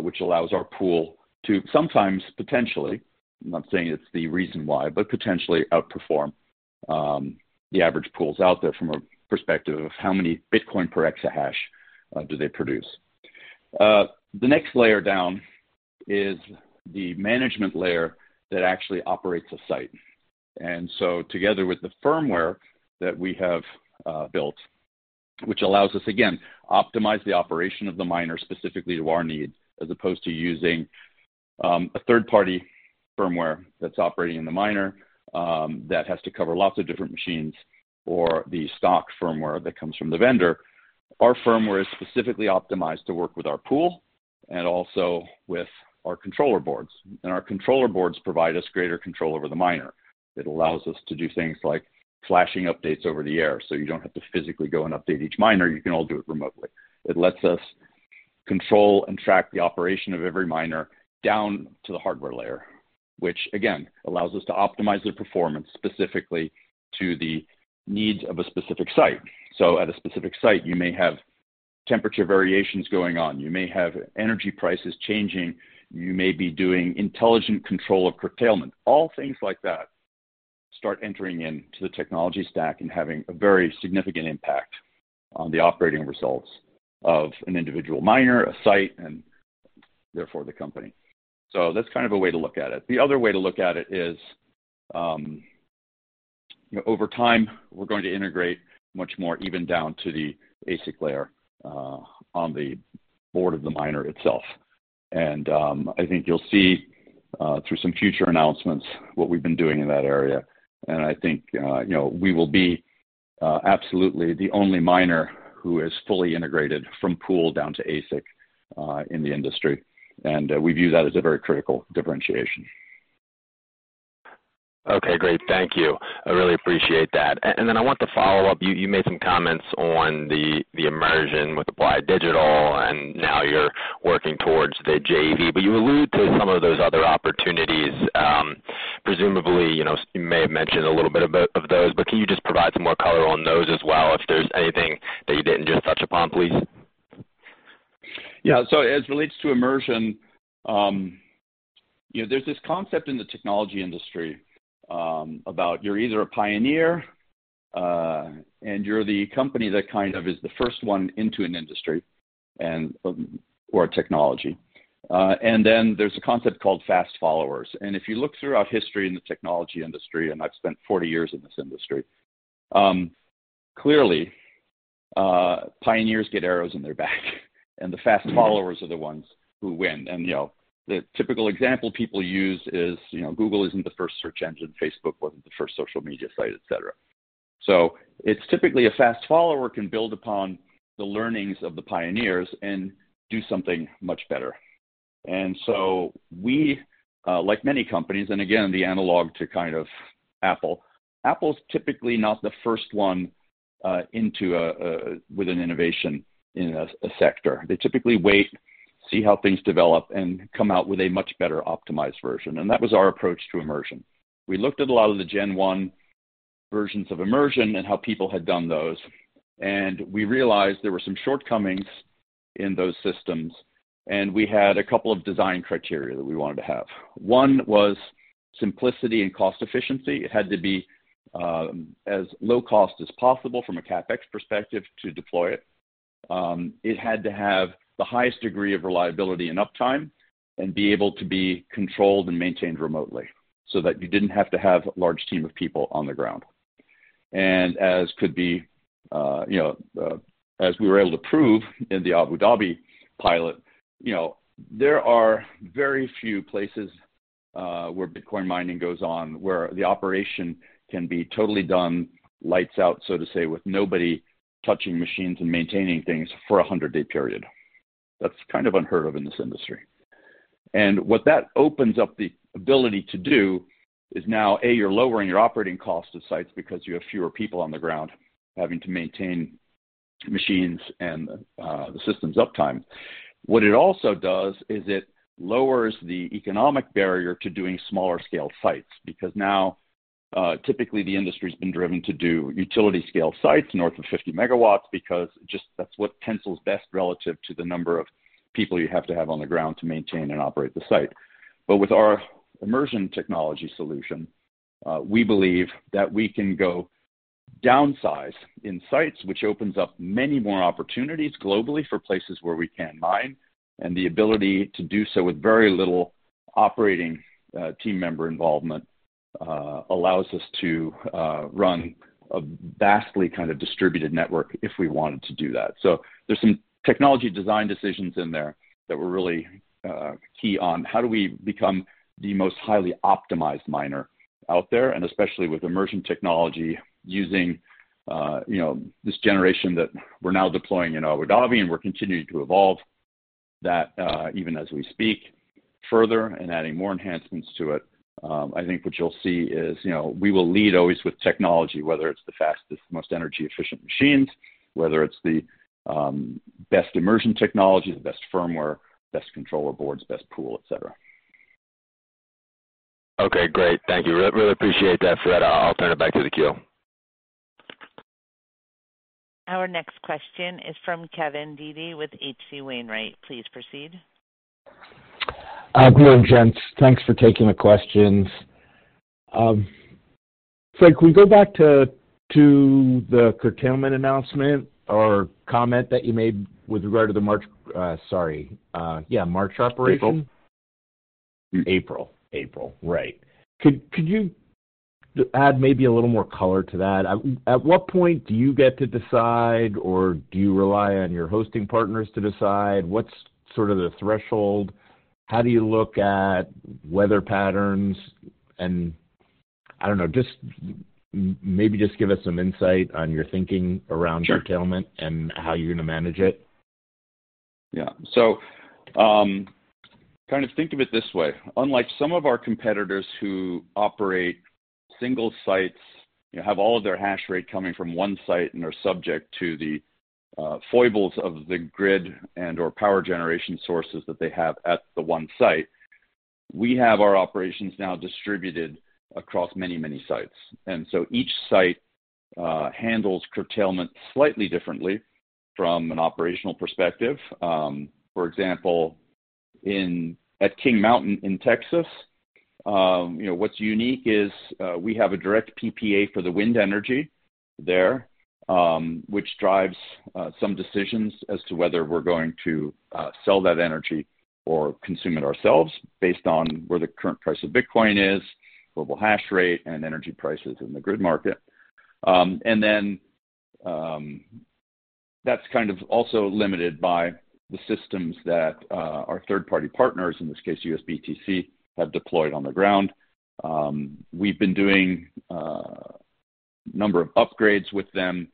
which allows our pool to sometimes potentially, I'm not saying it's the reason why, but potentially outperform the average pools out there from a perspective of how many Bitcoin per exahash do they produce. The next layer down is the management layer that actually operates a site. Together with the firmware that we have built, which allows us, again, optimize the operation of the miner specifically to our needs, as opposed to using a third-party firmware that's operating in the miner, that has to cover lots of different machines or the stock firmware that comes from the vendor. Our firmware is specifically optimized to work with our pool and also with our controller boards. Our controller boards provide us greater control over the miner. It allows us to do things like flashing updates over the air, so you don't have to physically go and update each miner. You can all do it remotely. It lets us control and track the operation of every miner down to the hardware layer, which again, allows us to optimize their performance specifically to the needs of a specific site. At a specific site, you may have temperature variations going on, you may have energy prices changing, you may be doing intelligent control of curtailment. All things like that start entering into the technology stack and having a very significant impact on the operating results of an individual miner, a site, and therefore the company. That's kind of a way to look at it. The other way to look at it is, over time, we're going to integrate much more even down to the ASIC layer on the board of the miner itself. I think you'll see through some future announcements what we've been doing in that area. I think, you know, we will be absolutely the only miner who is fully integrated from pool down to ASIC in the industry. We view that as a very critical differentiation. Okay, great. Thank you. I really appreciate that. Then I want to follow up. You made some comments on the immersion with Applied Digital, and now you're working towards the JV, but you allude to some of those other opportunities. Presumably, you know, you may have mentioned a little bit of those, but can you just provide some more color on those as well, if there's anything that you didn't just touch upon, please? Yeah. As it relates to immersion, you know, there's this concept in the technology industry about you're either a pioneer, and you're the company that kind of is the first one into an industry or a technology. There's a concept called fast followers. If you look throughout history in the technology industry, and I've spent 40 years in this industry, clearly, pioneers get arrows in their back and the fast followers are the ones who win. You know, the typical example people use is, you know, Google isn't the first search engine, Facebook wasn't the first social media site, et cetera. It's typically a fast follower can build upon the learnings of the pioneers and do something much better. We, like many companies, and again, the analog to kind of Apple. Apple's typically not the first one into an innovation in a sector. They typically wait, see how things develop, and come out with a much better optimized version. That was our approach to immersion. We looked at a lot of the gen one versions of immersion and how people had done those, and we realized there were some shortcomings in those systems, and we had a couple of design criteria that we wanted to have. One was simplicity and cost efficiency. It had to be as low cost as possible from a CapEx perspective to deploy it. It had to have the highest degree of reliability and uptime and be able to be controlled and maintained remotely so that you didn't have to have a large team of people on the ground. As could be, you know, as we were able to prove in the Abu Dhabi pilot, you know, there are very few places where Bitcoin mining goes on, where the operation can be totally done, lights out, so to say, with nobody touching machines and maintaining things for a 100-day period. That's kind of unheard of in this industry. What that opens up the ability to do is now, A, you're lowering your o perating cost of sites because you have fewer people on the ground having to maintain machines and the system's uptime. What it also does is it lowers the economic barrier to doing smaller scale sites. Now, typically the industry's been driven to do utility scale sites north of 50 megawatts because just that's what pencils best relative to the number of people you have to have on the ground to maintain and operate the site. With our immersion technology solution, we believe that we can go downsize in sites, which opens up many more opportunities globally for places where we can mine. The ability to do so with very little operating, team member involvement, allows us to run a vastly kind of distributed network if we wanted to do that. There's some technology design decisions in there that we're really key on. How do we become the most highly optimized miner out there, and especially with immersion technology using, you know, this generation that we're now deploying in Abu Dhabi, and we're continuing to evolve that, even as we speak further and adding more enhancements to it. I think what you'll see is, you know, we will lead always with technology, whether it's the fastest, most energy efficient machines, whether it's the best immersion technology, the best firmware, best controller boards, best pool, et cetera. Okay, great. Thank you. Really appreciate that, Fred. I'll turn it back to the queue. Our next question is from Kevin Dede with H.C. Wainwright. Please proceed. Good morning, gents. Thanks for taking the questions. Fred, can we go back to the curtailment announcement or comment that you made with regard to the March, sorry, yeah, March operation? April. April. April, right. Could you add maybe a little more color to that? At what point do you get to decide, or do you rely on your hosting partners to decide? What's sort of the threshold? How do you look at weather patterns? I don't know, just maybe just give us some insight on your thinking around? Sure. curtailment and how you're gonna manage it. Yeah. Kind of think of it this way. Unlike some of our competitors who operate single sites, you know, have all of their hash rate coming from one site and are subject to the foibles of the grid and/or power generation sources that they have at the one site, we have our operations now distributed across many, many sites. Each site handles curtailment slightly differently from an operational perspective. For example, at Kings Mountain in Texas, you know, what's unique is we have a direct PPA for the wind energy there, which drives some decisions as to whether we're going to sell that energy or consume it ourselves based on where the current price of Bitcoin is, global hash rate, and energy prices in the grid market. That's kind of also limited by the systems that our third-party partners, in this case, USBTC, have deployed on the ground. We've been doing a number of upgrades with them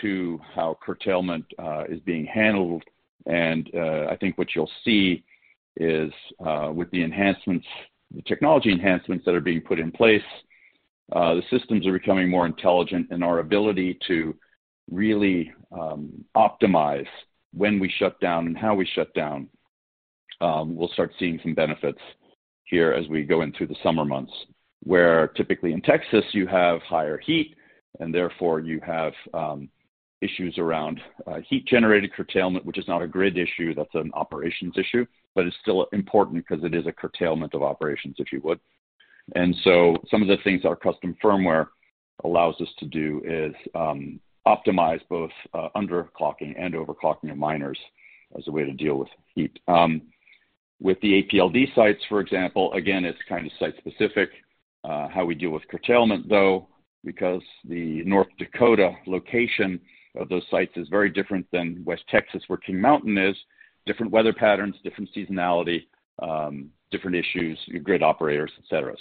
to how curtailment is being handled. I think what you'll see is with the enhancements, the technology enhancements that are being put in place, the systems are becoming more intelligent in our ability to really optimize when we shut down and how we shut down. We'll start seeing some benefits here as we go into the summer months, where typically in Texas you have higher heat, and therefore you have issues around heat-generated curtailment, which is not a grid issue, that's an operations issue. It's still important because it is a curtailment of operations, if you would. Some of the things our custom firmware allows us to do is optimize both underclocking and overclocking of miners as a way to deal with heat. With the APLD sites, for example, again, it's kind of site specific, how we deal with curtailment, though, because the North Dakota location of those sites is very different than West Texas, where Kings Mountain is. Different weather patterns, different seasonality, different issues, grid operators, et cetera.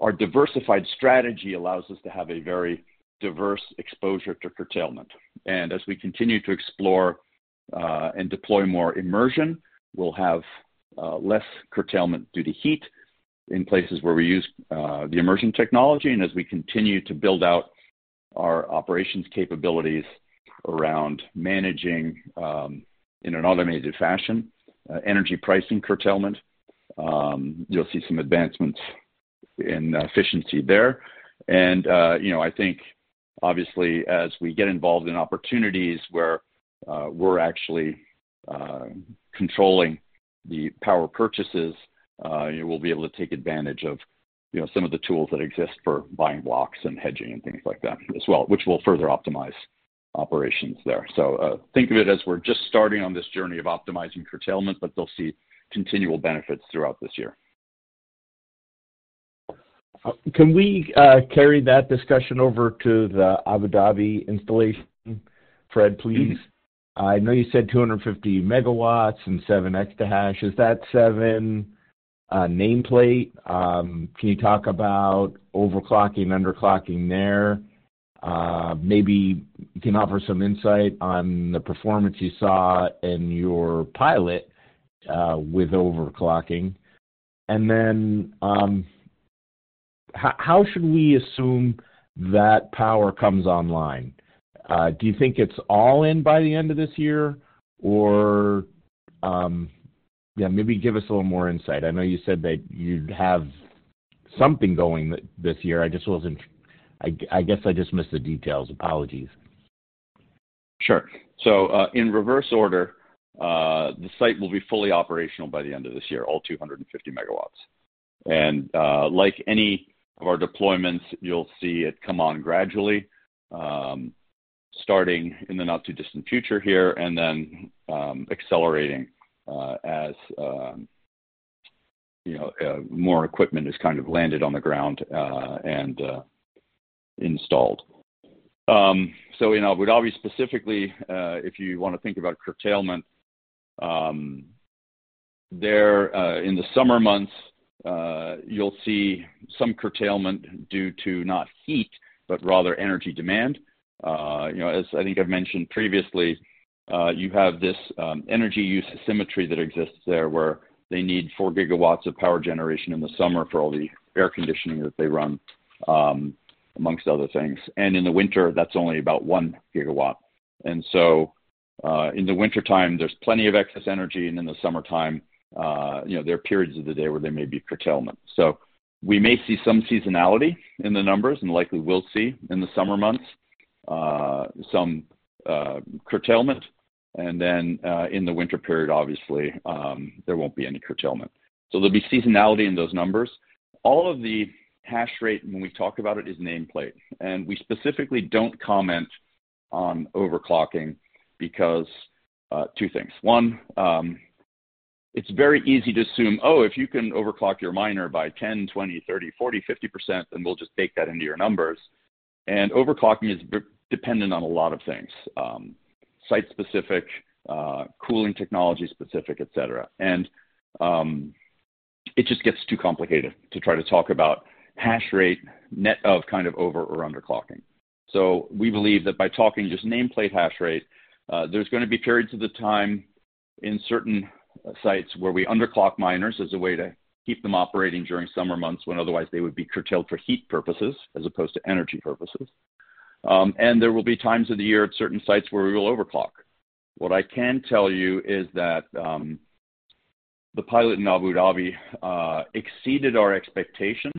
Our diversified strategy allows us to have a very diverse exposure to curtailment. As we continue to explore and deploy more immersion, we'll have less curtailment due to heat in places where we use the immersion technology. As we continue to build out our operations capabilities around managing, in an automated fashion, energy pricing curtailment, you'll see some advancements in efficiency there. You know, I think obviously as we get involved in opportunities where we're actually controlling the power purchases, you know, we'll be able to take advantage of, you know, some of the tools that exist for buying blocks and hedging and things like that as well, which will further optimize operations there. Think of it as we're just starting on this journey of optimizing curtailment, but they'll see continual benefits throughout this year. Can we carry that discussion over to the Abu Dhabi installation, Fred, please? I know you said 250 MW and seven exahashes. Is that seven nameplate? Can you talk about overclocking, underclocking there? Maybe you can offer some insight on the performance you saw in your pilot with overclocking. Then, how should we assume that power comes online? Do you think it's all in by the end of this year or? Yeah, maybe give us a little more insight. I know you said that you'd have something going this year. I just wasn't. I guess I just missed the details. Apologies. Sure. In reverse order, the site will be fully operational by the end of this year, all 250 megawatts. Like any of our deployments, you'll see it come on gradually, starting in the not too distant future here and then accelerating, as, you know, more equipment is kind of landed on the ground and installed. In Abu Dhabi specifically, if you want to think about curtailment, there, in the summer months, you'll see some curtailment due to not heat, but rather energy demand. You know, as I think I've mentioned previously, you have this energy use asymmetry that exists there, where they need 4 gigawatts of power generation in the summer for all the air conditioning that they run, amongst other things. In the winter, that's only about 1 gigawatt. In the wintertime, there's plenty of excess energy, and in the summertime, you know, there are periods of the day where there may be curtailment. We may see some seasonality in the numbers, and likely we'll see in the summer months, some curtailment. Then, in the winter period, obviously, there won't be any curtailment. There'll be seasonality in those numbers. All of the hash rate when we talk about it is nameplate. We specifically don't comment on overclocking because, two things. One, it's very easy to assume, oh, if you can overclock your miner by 10%, 20%, 30%, 40%, 50%, then we'll just bake that into your numbers. Overclocking is dependent on a lot of things, site-specific, cooling technology specific, et cetera. It just gets too complicated to try to talk about hash rate net of kind of over or underclocking. We believe that by talking just nameplate hash rate, there's gonna be periods of the time in certain sites where we underclock miners as a way to keep them operating during summer months when otherwise they would be curtailed for heat purposes as opposed to energy purposes. There will be times of the year at certain sites where we will overclock. What I can tell you is that, the pilot in Abu Dhabi exceeded our expectations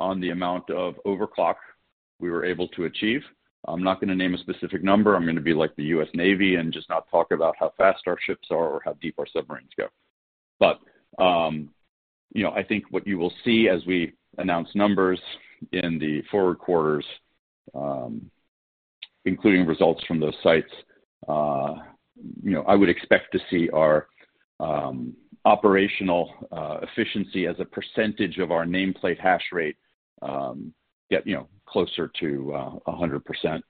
on the amount of overclock we were able to achieve. I'm not gonna name a specific number. I'm gonna be like the U.S. Navy and just not talk about how fast our ships are or how deep our submarines go. You know, I think what you will see as we announce numbers in the forward quarters, including results from those sites, you know, I would expect to see our operational efficiency as a percentage of our nameplate hash rate get closer to 100%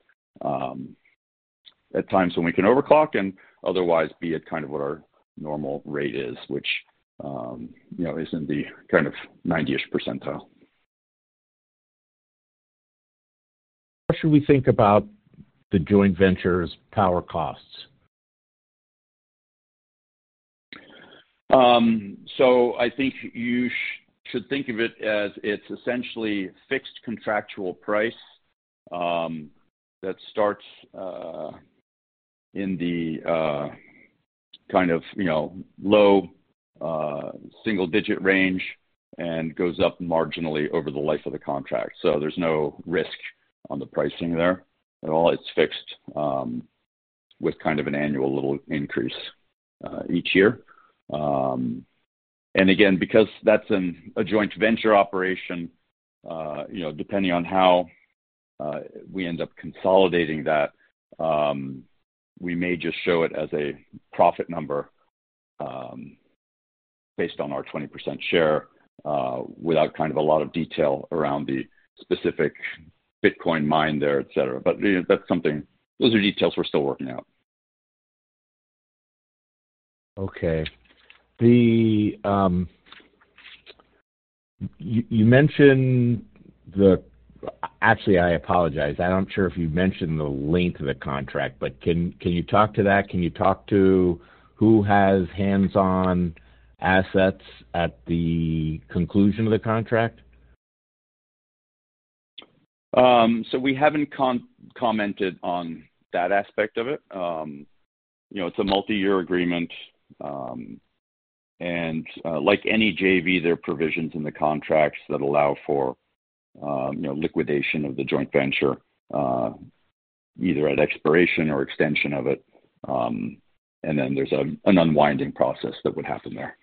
at times when we can overclock and otherwise be at kind of what our normal rate is, which, you know, is in the kind of 90-ish percentile. How should we think about the joint venture's power costs? I think you should think of it as it's essentially fixed contractual price, that starts in the kind of, you know, low, single-digit range and goes up marginally over the life of the contract. There's no risk on the pricing there at all. It's fixed, with kind of an annual little increase each year. Again, because that's a joint venture operation, you know, depending on how we end up consolidating that, we may just show it as a profit number, based on our 20% share, without kind of a lot of detail around the specific Bitcoin mine there, et cetera. You know, that's something. Those are details we're still working out. Okay. Actually, I apologize. I'm not sure if you mentioned the length of the contract, but can you talk to that? Can you talk to who has hands-on assets at the conclusion of the contract? We haven't commented on that aspect of it. You know, it's a multi-year agreement, and like any JV, there are provisions in the contracts that allow for, you know, liquidation of the joint venture, either at expiration or extension of it. Then there's an unwinding process that would happen there.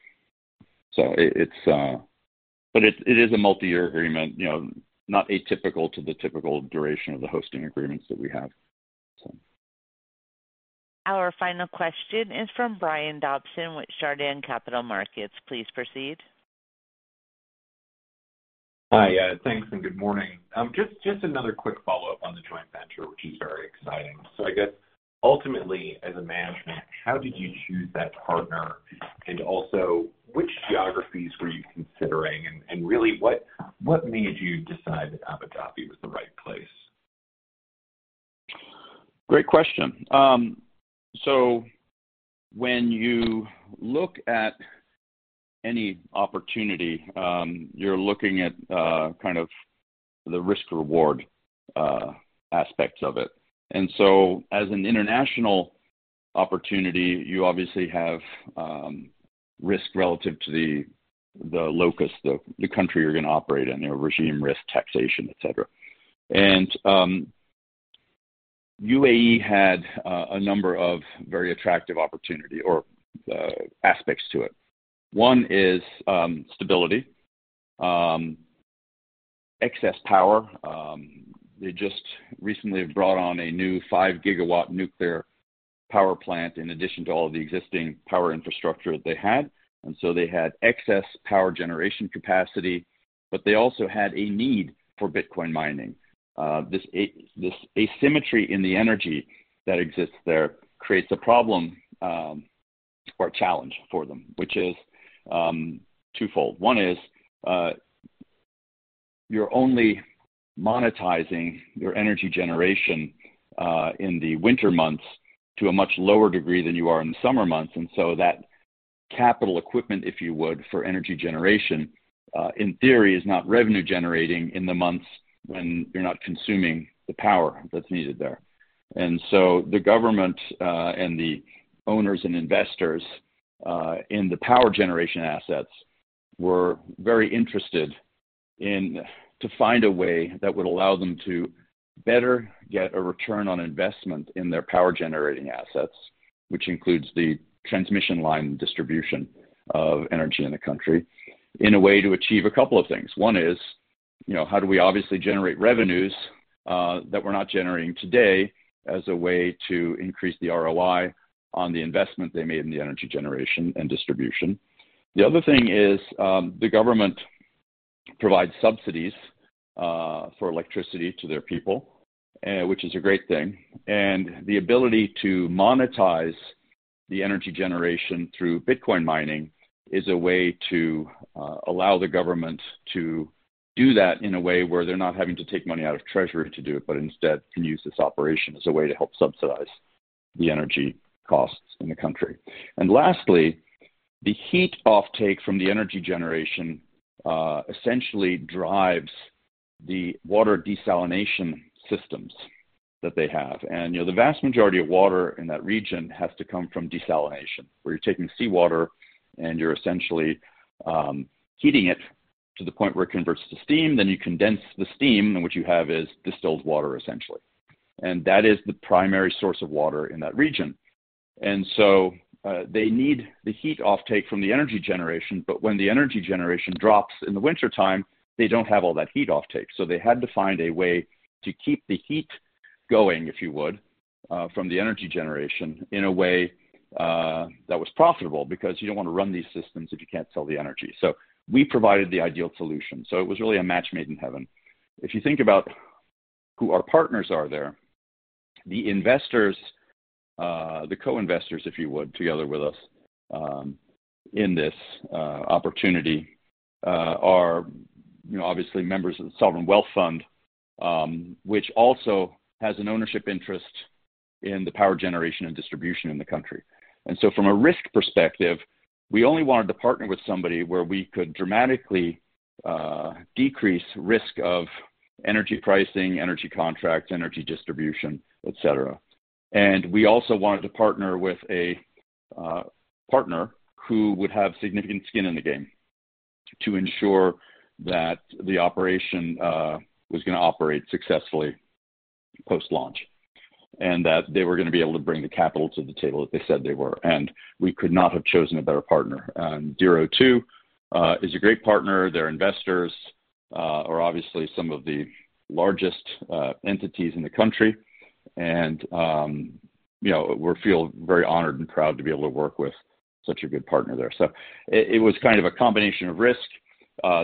It is a multi-year agreement, you know, not atypical to the typical duration of the hosting agreements that we have. Our final question is from Brian Dobson with Chardan Capital Markets. Please proceed. Hi. Thanks, good morning. Just another quick follow-up on the joint venture, which is very exciting. I guess ultimately, as a management, how did you choose that partner? Which geographies were you considering? Really, what made you decide that Abu Dhabi was the right place? Great question. So when you look at any opportunity, you're looking at kind of the risk/reward aspects of it. As an international opportunity, you obviously have risk relative to the locus, the country you're gonna operate in, you know, regime risk, taxation, et cetera. UAE had a number of very attractive opportunity or aspects to it. One is stability, excess power. They just recently brought on a new 5 gigawatt nuclear power plant in addition to all of the existing power infrastructure that they had. They had excess power generation capacity, but they also had a need for Bitcoin mining. This asymmetry in the energy that exists there creates a problem or a challenge for them, which is twofold. One is, you're only monetizing your energy generation in the winter months to a much lower degree than you are in the summer months. That capital equipment, if you would, for energy generation in theory, is not revenue generating in the months when you're not consuming the power that's needed there. The government and the owners and investors in the power generation assets were very interested to find a way that would allow them to better get a return on investment in their power generating assets, which includes the transmission line distribution of energy in the country, in a way to achieve a couple of things. One is, you know, how do we obviously generate revenues that we're not generating today as a way to increase the ROI on the investment they made in the energy generation and distribution? The other thing is, the government provides subsidies for electricity to their people, which is a great thing. The ability to monetize the energy generation through Bitcoin mining is a way to allow the government to do that in a way where they're not having to take money out of treasury to do it, but instead can use this operation as a way to help subsidize the energy costs in the country. Lastly, the heat offtake from the energy generation essentially drives the water desalination systems that they have. You know, the vast majority of water in that region has to come from desalination, where you're taking seawater and you're essentially heating it to the point where it converts to steam, then you condense the steam, and what you have is distilled water, essentially. That is the primary source of water in that region. They need the heat offtake from the energy generation, but when the energy generation drops in the wintertime, they don't have all that heat offtake. They had to find a way to keep the heat going, if you would, from the energy generation in a way that was profitable because you don't want to run these systems if you can't sell the energy. We provided the ideal solution, so it was really a match made in heaven. If you think about who our partners are there, the investors, the co-investors, if you would, together with us, in this opportunity, are, you know, obviously members of the Sovereign Wealth Fund, which also has an ownership interest in the power generation and distribution in the country. From a risk perspective, we only wanted to partner with somebody where we could dramatically decrease risk of energy pricing, energy contracts, energy distribution, et cetera. We also wanted to partner with a partner who would have significant skin in the game to ensure that the operation was gonna operate successfully post-launch, and that they were gonna be able to bring the capital to the table that they said they were. We could not have chosen a better partner. ZeroTwo is a great partner. Their investors are obviously some of the largest entities in the country. You know, we feel very honored and proud to be able to work with such a good partner there. It was kind of a combination of risk.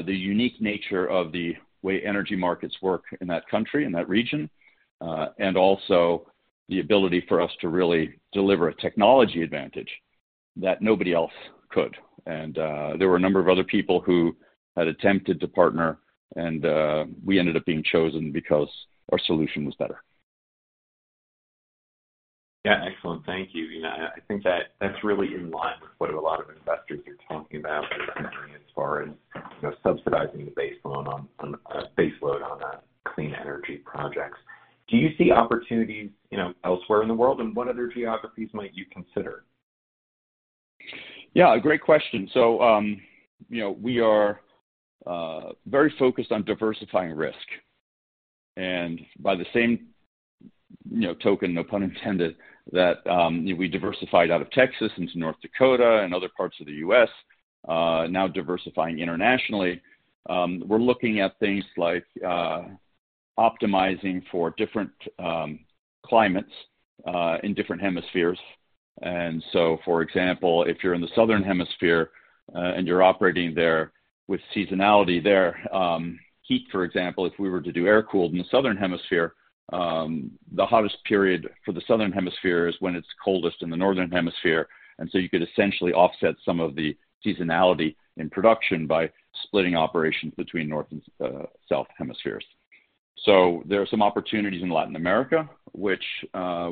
The unique nature of the way energy markets work in that country, in that region, and also the ability for us to really deliver a technology advantage that nobody else could. There were a number of other people who had attempted to partner, we ended up being chosen because our solution was better. Yeah. Excellent. Thank you. You know, I think that that's really in line with what a lot of investors are talking about with energy as far as, you know, subsidizing the base load on a clean energy projects. Do you see opportunities, you know, elsewhere in the world, and what other geographies might you consider? Yeah. A great question. You know, we are very focused on diversifying risk. By the same, you know, token, no pun intended, that we diversified out of Texas into North Dakota and other parts of the U.S., now diversifying internationally. We're looking at things like optimizing for different climates in different hemispheres. For example, if you're in the southern hemisphere, and you're operating there with seasonality there, heat, for example, if we were to do air-cooled in the southern hemisphere, the hottest period for the southern hemisphere is when it's coldest in the northern hemisphere. You could essentially offset some of the seasonality in production by splitting operations between north and south hemispheres. There are some opportunities in Latin America, which,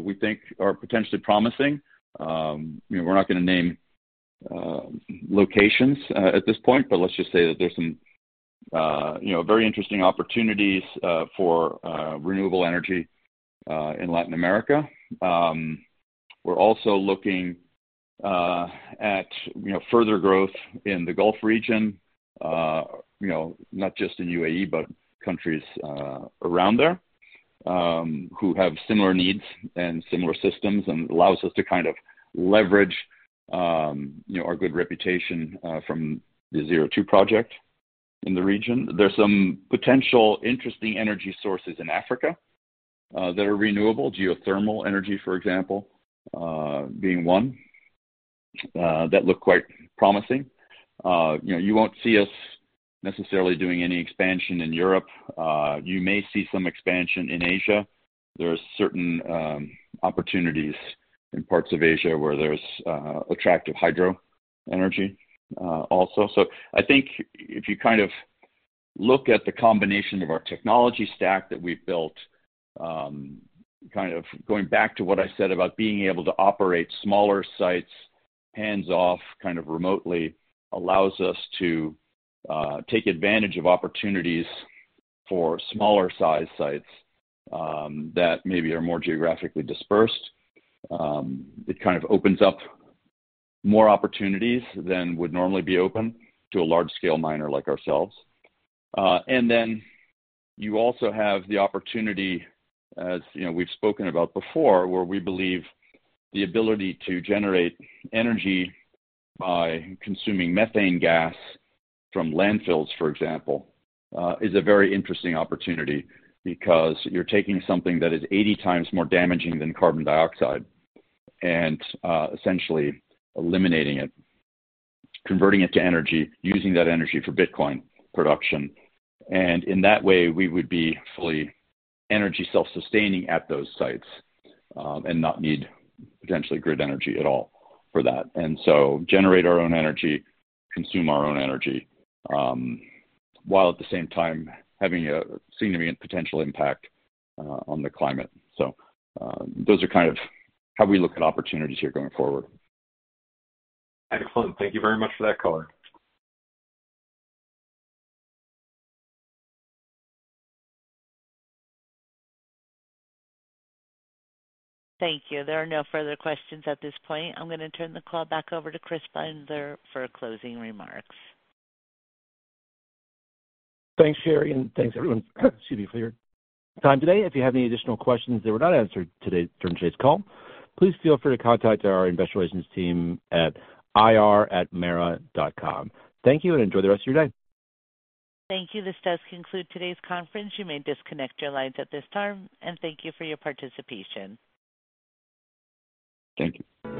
we think are potentially promising. You know, we're not gonna name locations at this point, but let's just say that there's some, you know, very interesting opportunities for renewable energy in Latin America. We're also looking at, you know, further growth in the Gulf region, you know, not just in UAE, countries around there who have similar needs and similar systems and allows us to kind of leverage, you know, our good reputation from the ZeroTwo project in the region. There's some potential interesting energy sources in Africa that are renewable, geothermal energy, for example, being one that look quite promising. You know, you won't see us necessarily doing any expansion in Europe. You may see some expansion in Asia. There are certain opportunities in parts of Asia where there's attractive hydro energy also. I think if you kind of look at the combination of our technology stack that we've built, kind of going back to what I said about being able to operate smaller sites hands-off kind of remotely allows us to take advantage of opportunities for smaller size sites, that maybe are more geographically dispersed. It kind of opens up more opportunities than would normally be open to a large scale miner like ourselves. You also have the opportunity, as, you know, we've spoken about before, where we believe the ability to generate energy by consuming methane gas from landfills, for example, is a very interesting opportunity because you're taking something that is 80x more damaging than carbon dioxide and essentially eliminating it, converting it to energy, using that energy for Bitcoin production. In that way, we would be fully energy self-sustaining at those sites and not need potentially grid energy at all for that. Generate our own energy, consume our own energy, while at the same time having a significant potential impact on the climate. Those are kind of how we look at opportunities here going forward. Excellent. Thank you very much for that color. Thank you. There are no further questions at this point. I'm gonna turn the call back over to Charlie Schumacher for closing remarks. Thanks, Sherry, thanks everyone, excuse me, for your time today. If you have any additional questions that were not answered today during today's call, please feel free to contact our investor relations team at ir@mara.com. Thank you. Enjoy the rest of your day. Thank you. This does conclude today's conference. You may disconnect your lines at this time, and thank you for your participation. Thank you.